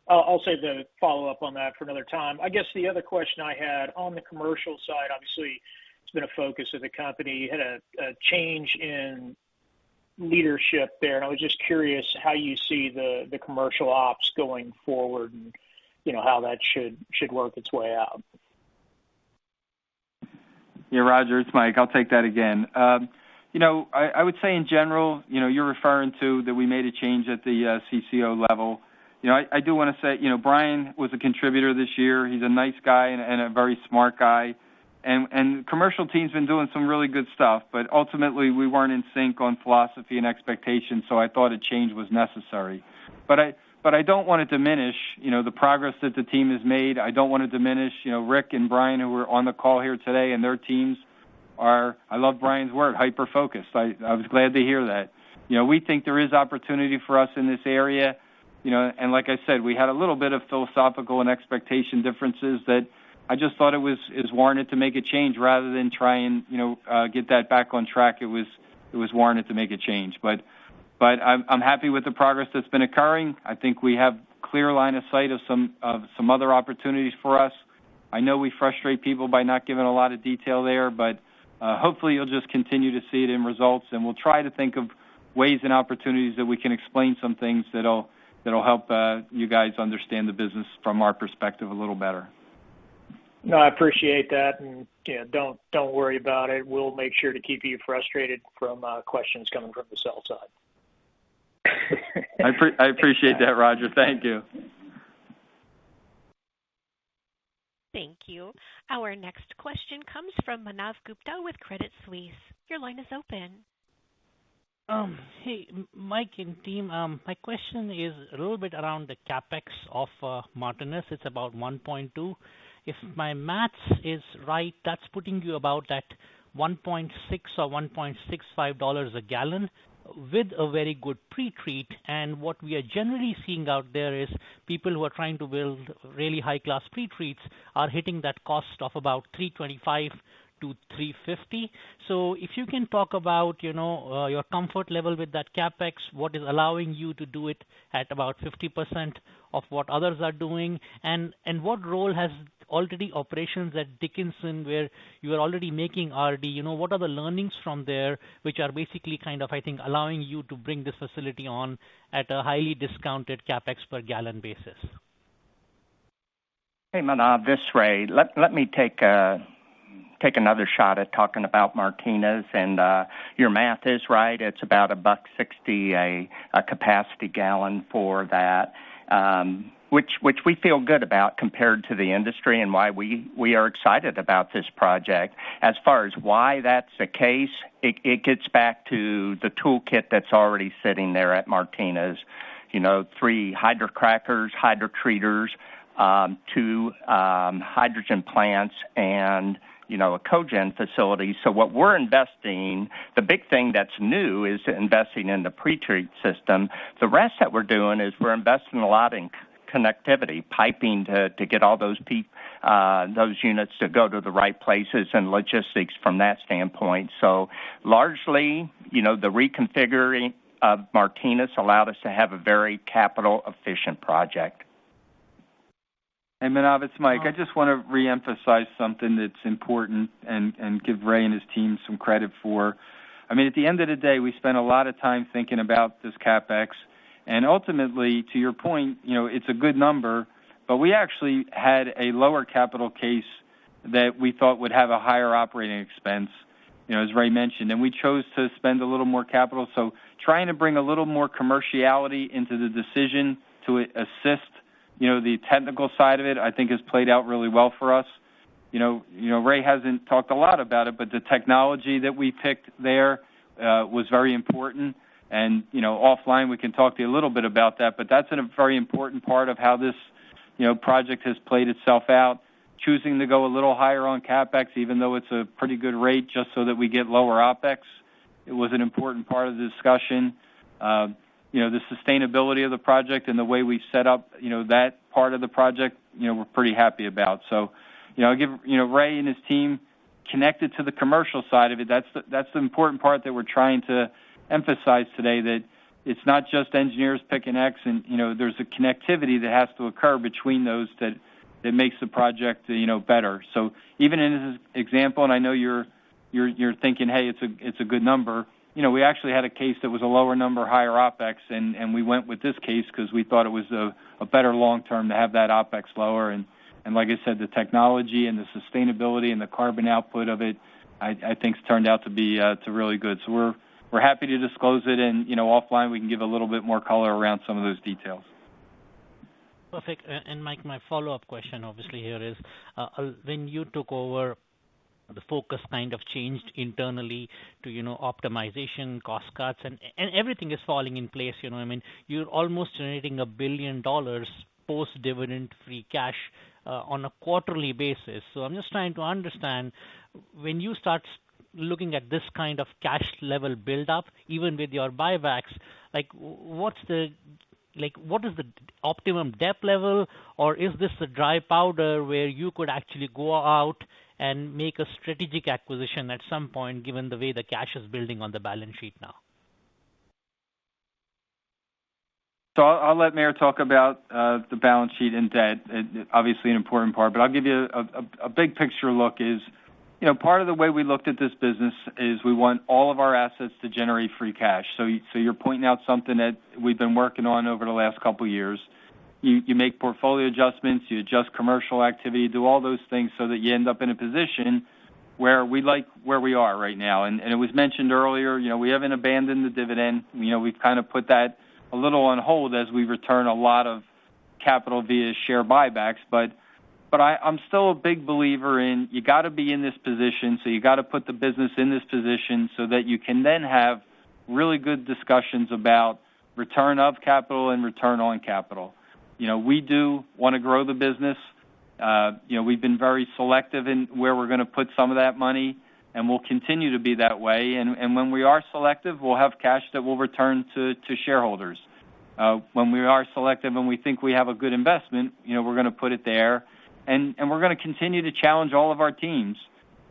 I'll save the follow-up on that for another time. I guess the other question I had on the commercial side, obviously, it's been a focus of the company. You had a change in leadership there, and I was just curious how you see the commercial ops going forward and, you know, how that should work its way out. Yeah, Roger, it's Mike. I'll take that again. You know, I would say in general, you know, you're referring to that we made a change at the CCO level. You know, I do wanna say, you know, Brian was a contributor this year. He's a nice guy and a very smart guy. Commercial team's been doing some really good stuff, but ultimately, we weren't in sync on philosophy and expectations, so I thought a change was necessary. I don't wanna diminish, you know, the progress that the team has made. I don't wanna diminish, you know, Rick and Brian, who are on the call here today, and their teams are. I love Brian's word, hyper-focused. I was glad to hear that. You know, we think there is opportunity for us in this area, you know, and like I said, we had a little bit of philosophical and expectation differences that I just thought it is warranted to make a change rather than try and, you know, get that back on track. It was warranted to make a change. I'm happy with the progress that's been occurring. I think we have clear line of sight of some other opportunities for us. I know we frustrate people by not giving a lot of detail there, but hopefully, you'll just continue to see it in results, and we'll try to think of ways and opportunities that we can explain some things that'll help you guys understand the business from our perspective a little better. No, I appreciate that. You know, don't worry about it. We'll make sure to keep you frustrated from questions coming from the sell side. I appreciate that, Roger. Thank you. Thank you. Our next question comes from Manav Gupta with Credit Suisse. Your line is open. Hey, Mike and team. My question is a little bit around the CapEx of Martinez. It's about $1.2. If my math is right, that's putting you about at $1.6 or $1.65 a gallon with a very good pre-treat. What we are generally seeing out there is people who are trying to build really high-class pre-treats are hitting that cost of about $3.25-$3.50. If you can talk about, you know, your comfort level with that CapEx, what is allowing you to do it at about 50% of what others are doing? What role have early operations at Dickinson, where you are already making RD. You know, what are the learnings from there, which are basically kind of, I think, allowing you to bring this facility on at a highly discounted CapEx per gallon basis? Hey, Manav. This is Ray. Let me take another shot at talking about Martinez. Your math is right. It's about $1.60 a capacity gallon for that, which we feel good about compared to the industry and why we are excited about this project. As far as why that's the case, it gets back to the toolkit that's already sitting there at Martinez. You know, three hydrocrackers, hydrotreaters, two hydrogen plants and a cogen facility. What we're investing, the big thing that's new is investing in the pre-treat system. The rest that we're doing is we're investing a lot in connectivity, piping to get all those units to go to the right places and logistics from that standpoint. Largely, you know, the reconfiguring of Martinez allowed us to have a very capital-efficient project. Manav, it's Mike. I just wanna re-emphasize something that's important and give Ray and his team some credit for. I mean, at the end of the day, we spent a lot of time thinking about this CapEx. Ultimately, to your point, you know, it's a good number, but we actually had a lower capital case that we thought would have a higher operating expense, you know, as Ray mentioned. We chose to spend a little more capital. Trying to bring a little more commerciality into the decision to assist, you know, the technical side of it, I think has played out really well for us. You know, Ray hasn't talked a lot about it, but the technology that we picked there was very important. You know, offline, we can talk to you a little bit about that, but that's a very important part of how this, you know, project has played itself out. Choosing to go a little higher on CapEx, even though it's a pretty good rate, just so that we get lower OpEx, it was an important part of the discussion. You know, the sustainability of the project and the way we set up, you know, that part of the project, you know, we're pretty happy about. You know, I give, you know, Ray and his team connected to the commercial side of it. That's the important part that we're trying to emphasize today, that it's not just engineers picking X and, you know, there's a connectivity that has to occur between those that it makes the project, you know, better. Even in this example, I know you're thinking, "Hey, it's a good number." You know, we actually had a case that was a lower number, higher OpEx, and we went with this case because we thought it was a better long term to have that OpEx lower. Like I said, the technology and the sustainability and the carbon output of it, I think has turned out to be to really good. We're happy to disclose it and, you know, offline, we can give a little bit more color around some of those details. Perfect. Mike, my follow-up question obviously here is, when you took over, the focus kind of changed internally to, you know, optimization, cost cuts, and everything is falling in place. You know, I mean, you're almost generating $1 billion post-dividend free cash on a quarterly basis. I'm just trying to understand, when you start looking at this kind of cash level build up, even with your buybacks, like what is the optimum debt level? Or is this the dry powder where you could actually go out and make a strategic acquisition at some point, given the way the cash is building on the balance sheet now? I'll let Maryann talk about the balance sheet and debt, obviously an important part. I'll give you a big picture look is, you know, part of the way we looked at this business is we want all of our assets to generate free cash. You're pointing out something that we've been working on over the last couple of years. You make portfolio adjustments, you adjust commercial activity, do all those things so that you end up in a position where we like where we are right now. It was mentioned earlier, you know, we haven't abandoned the dividend. You know, we've kind of put that a little on hold as we return a lot of capital via share buybacks. I'm still a big believer in you got to be in this position, so you got to put the business in this position so that you can then have really good discussions about return of capital and return on capital. You know, we do want to grow the business. You know, we've been very selective in where we're going to put some of that money, and we'll continue to be that way. When we are selective, we'll have cash that we'll return to shareholders. When we are selective and we think we have a good investment, you know, we're going to put it there. We're going to continue to challenge all of our teams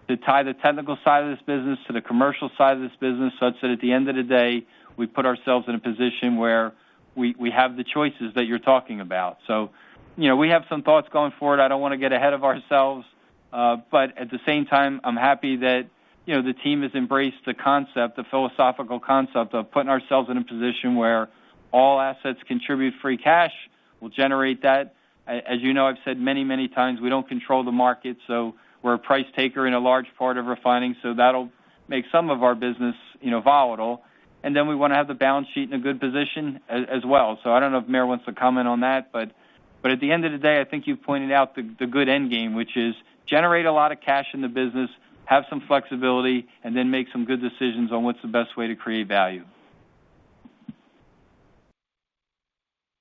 to tie the technical side of this business to the commercial side of this business such that at the end of the day, we put ourselves in a position where we have the choices that you're talking about. You know, we have some thoughts going forward. I don't want to get ahead of ourselves. But at the same time, I'm happy that, you know, the team has embraced the concept, the philosophical concept of putting ourselves in a position where all assets contribute free cash. We'll generate that. As you know, I've said many, many times, we don't control the market, so we're a price taker in a large part of refining. That'll make some of our business, you know, volatile. We want to have the balance sheet in a good position as well. I don't know if Maryann wants to comment on that, but at the end of the day, I think you've pointed out the good end game, which is generate a lot of cash in the business, have some flexibility, and then make some good decisions on what's the best way to create value.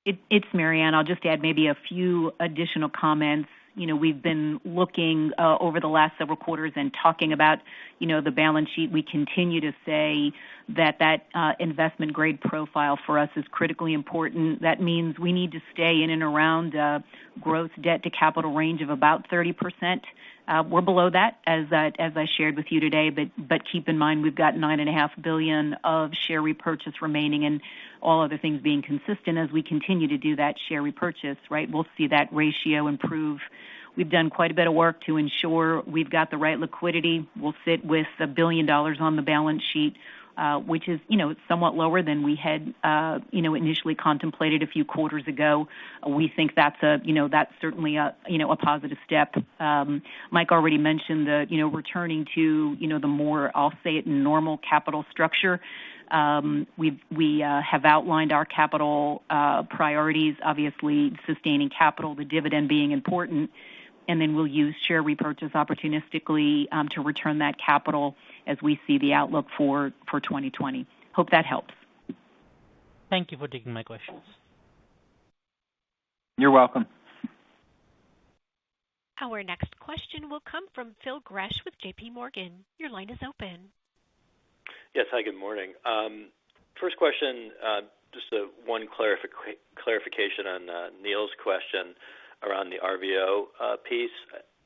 It's Maryann. I'll just add maybe a few additional comments. You know, we've been looking over the last several quarters and talking about, you know, the balance sheet. We continue to say that investment grade profile for us is critically important. That means we need to stay in and around the gross debt to capital range of about 30%. We're below that, as I shared with you today. Keep in mind, we've got $9.5 billion of share repurchase remaining and all other things being consistent as we continue to do that share repurchase, right? We'll see that ratio improve. We've done quite a bit of work to ensure we've got the right liquidity. We'll sit with $1 billion on the balance sheet, which is, you know, somewhat lower than we had initially contemplated a few quarters ago. We think that's, you know, certainly a positive step. Mike already mentioned the, you know, returning to, you know, the more, I'll say it, normal capital structure. We've outlined our capital priorities, obviously sustaining capital, the dividend being important. Then we'll use share repurchase opportunistically to return that capital as we see the outlook for 2020. Hope that helps. Thank you for taking my questions. You're welcome. Our next question will come from Phil Gresh with JPMorgan. Your line is open. Yes. Hi, good morning. First question, just one clarification on Neil's question around the RVO piece.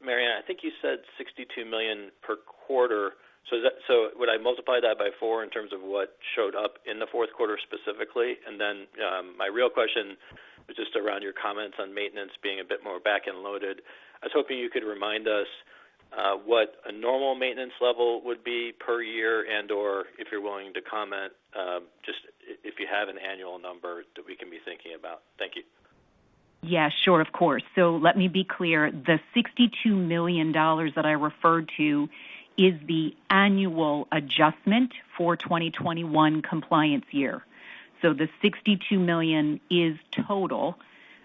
Maryann, I think you said 62 million per quarter. Would I multiply that by 4 in terms of what showed up in the Q4 specifically? My real question was just around your comments on maintenance being a bit more back-end loaded. I was hoping you could remind us what a normal maintenance level would be per year and/or if you're willing to comment just if you have an annual number that we can be thinking about. Thank you. Yeah, sure. Of course. Let me be clear. The $62 million that I referred to is the annual adjustment for 2021 compliance year. The $62 million is total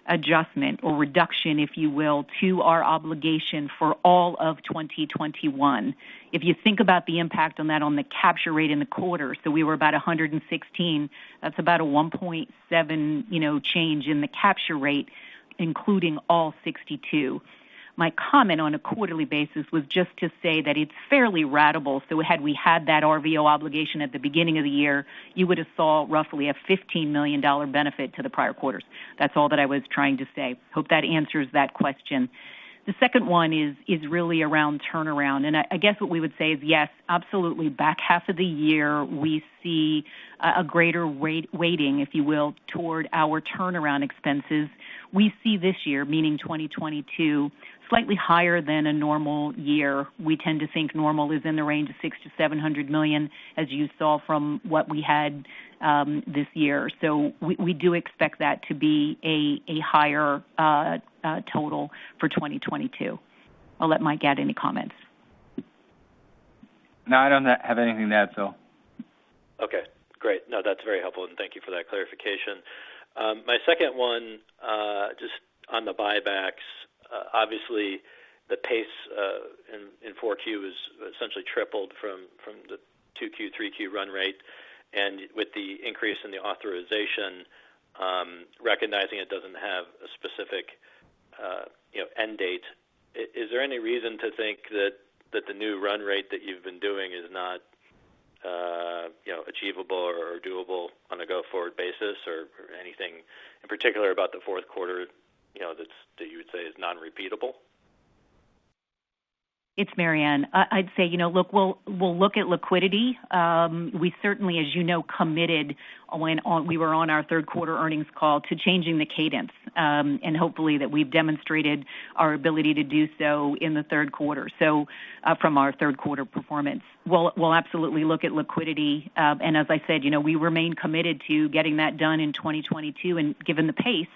adjustment or reduction, if you will, to our obligation for all of 2021. If you think about the impact on that on the capture rate in the quarter, so we were about 116%, that's about a 1.7, you know, change in the capture rate, including all 62. My comment on a quarterly basis was just to say that it's fairly ratable. Had we had that RVO obligation at the beginning of the year, you would have saw roughly a $15 million benefit to the prior quarters. That's all that I was trying to say. Hope that answers that question. The second one is really around turnaround. I guess what we would say is, yes, absolutely, back half of the year, we see a greater rate-weighting, if you will, toward our turnaround expenses. We see this year, meaning 2022, slightly higher than a normal year. We tend to think normal is in the range of $600 million-$700 million, as you saw from what we had this year. We do expect that to be a higher total for 2022. I'll let Mike add any comments. No, I don't have anything to add, so. Okay, great. No, that's very helpful. Thank you for that clarification. My second one, just on the buybacks, obviously the pace in 4Q is essentially tripled from the 2Q, 3Q run rate. With the increase in the authorization, recognizing it doesn't have a specific, you know, end date, is there any reason to think that the new run rate that you've been doing is not, you know, achievable or doable on a go-forward basis or anything in particular about the Q4, you know, that's that you would say is non-repeatable? It's Maryann. I'd say, you know, look, we'll look at liquidity. We certainly, as you know, committed when we were on our Q3 earnings call to changing the cadence, and hopefully that we've demonstrated our ability to do so in the Q3. From our Q3 performance, we'll absolutely look at liquidity. And as I said, you know, we remain committed to getting that done in 2022, and given the pace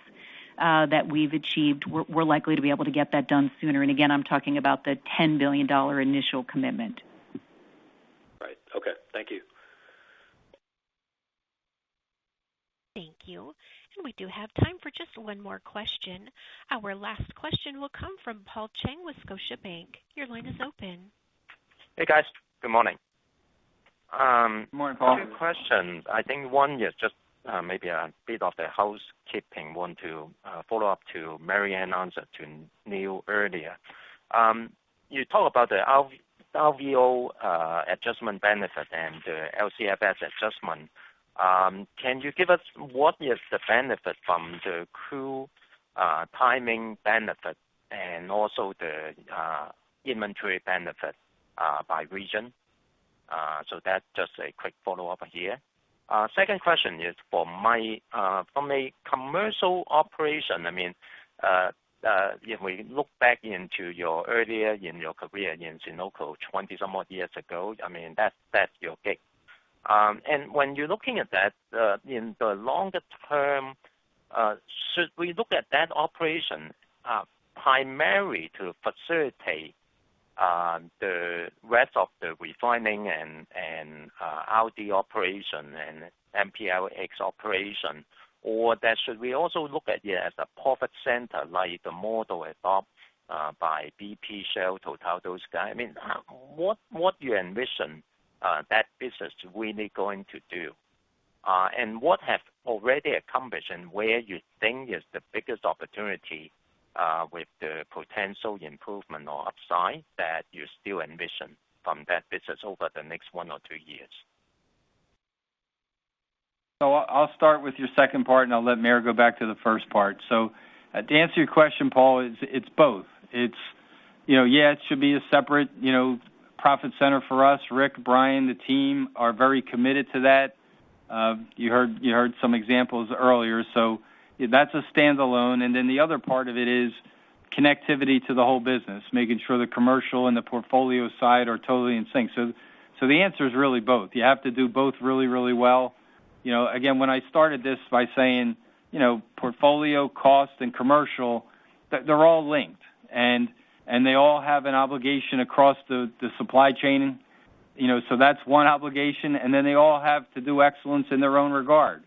that we've achieved, we're likely to be able to get that done sooner. Again, I'm talking about the $10 billion initial commitment. Right. Okay. Thank you. Thank you. We do have time for just one more question. Our last question will come from Paul Cheng with Scotiabank. Your line is open. Hey, guys. Good morning. Good morning, Paul. Two questions. I think one is just maybe a bit of the housekeeping. Want to follow up to Maryann's answer to Neil earlier. You talk about the RIN-RVO adjustment benefit and the LCFS adjustment. Can you give us what is the benefit from the crude timing benefit and also the inventory benefit by region? So that's just a quick follow-up here. Second question is for Mike. From a commercial operation, I mean, if we look back into your earlier in your career in Sunoco 20-some-odd years ago, I mean, that's your gig. When you're looking at that in the longer term, should we look at that operation primarily to facilitate the rest of the refining and RD operation and MPLX operation? Should we also look at you as a profit center like the model adopted by BP, Shell, TotalEnergies, those guys? I mean, what do you envision that business really going to do? What you have already accomplished and where you think is the biggest opportunity with the potential improvement or upside that you still envision from that business over the next one or two years? I'll start with your second part, and I'll let Maryann go back to the first part. To answer your question, Paul, it's both. It's, you know, yeah, it should be a separate, you know, profit center for us. Rick, Brian, the team are very committed to that. You heard some examples earlier. That's a standalone. And then the other part of it is connectivity to the whole business, making sure the commercial and the portfolio side are totally in sync. The answer is really both. You have to do both really, really well. You know, again, when I started this by saying, you know, portfolio cost and commercial, they're all linked. And they all have an obligation across the supply chain, you know. That's one obligation. Then they all have to do excellence in their own regard.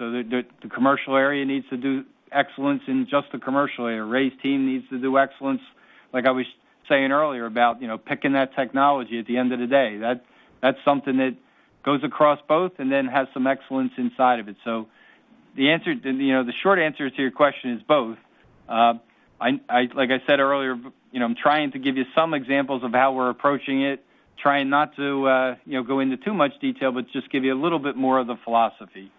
The commercial area needs to do excellence in just the commercial area. Ray's team needs to do excellence, like I was saying earlier, about, you know, picking that technology at the end of the day. That's something that goes across both and then has some excellence inside of it. The answer, you know, the short answer to your question is both. Like I said earlier, you know, I'm trying to give you some examples of how we're approaching it, trying not to, you know, go into too much detail, but just give you a little bit more of the philosophy.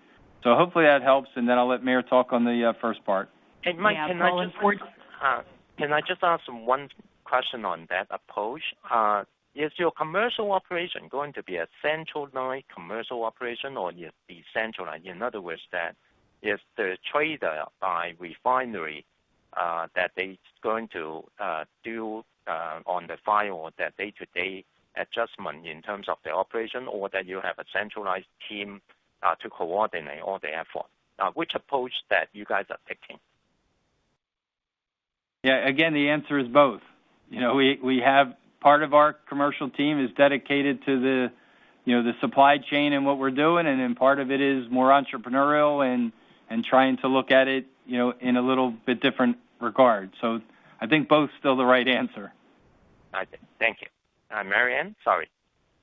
Hopefully that helps. I'll let Maryann talk on the first part. Mike, can I just, Can I just ask one question on that approach? Is your commercial operation going to be a centralized commercial operation or decentralized? In other words, if the traders by refinery are going to do on the fly the day-to-day adjustment in terms of the operation or if you have a centralized team to coordinate all the effort. Which approach are you guys picking? Yeah. Again, the answer is both. You know, we have part of our commercial team is dedicated to the, you know, the supply chain and what we're doing, and then part of it is more entrepreneurial and trying to look at it, you know, in a little bit different regard. I think both still the right answer. I see. Thank you. Maryann. Sorry.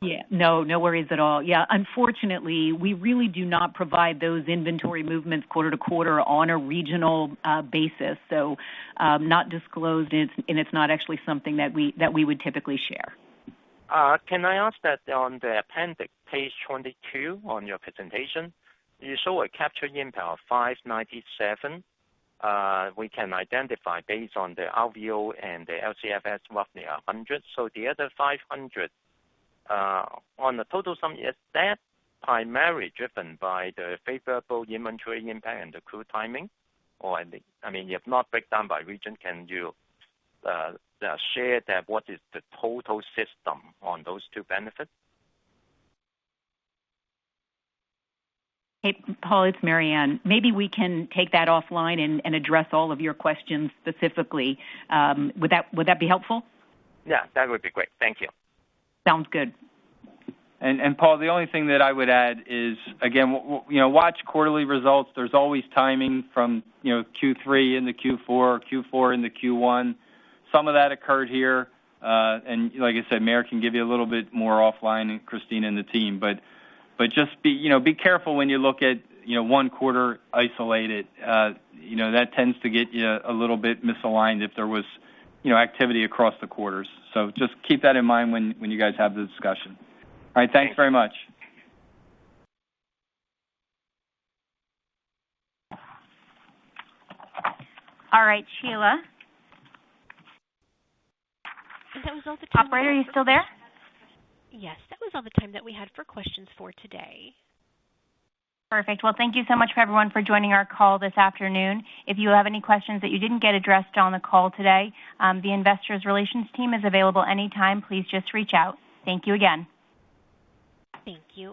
Yeah, no worries at all. Yeah, unfortunately, we really do not provide those inventory movements quarter to quarter on a regional basis. So, not disclosed and it's not actually something that we would typically share. Can I ask that on the appendix, page 22 on your presentation, you show a capture impact of 597. We can identify based on the RVO and the LCFS roughly 100. The other 500, on the total sum, is that primarily driven by the favorable inventory impact and the crude timing? Or, I mean, if not breakdown by region, can you share that what is the total system on those two benefits? Hey, Paul, it's Maryann. Maybe we can take that offline and address all of your questions specifically. Would that be helpful? Yeah, that would be great. Thank you. Sounds good. Paul, the only thing that I would add is, again, you know, watch quarterly results. There's always timing from, you know, Q3 into Q4 into Q1. Some of that occurred here. Like I said, Maryann can give you a little bit more offline and Kristina and the team. But just be, you know, be careful when you look at, you know, one quarter isolated. That tends to get you a little bit misaligned if there was, you know, activity across the quarters. Just keep that in mind when you guys have the discussion. All right. Thanks very much. All right. Sheila. Operator, are you still there? Yes. That was all the time that we had for questions for today. Perfect. Well, thank you so much for everyone for joining our call this afternoon. If you have any questions that you didn't get addressed on the call today, the Investor Relations team is available anytime. Please just reach out. Thank you again. Thank you.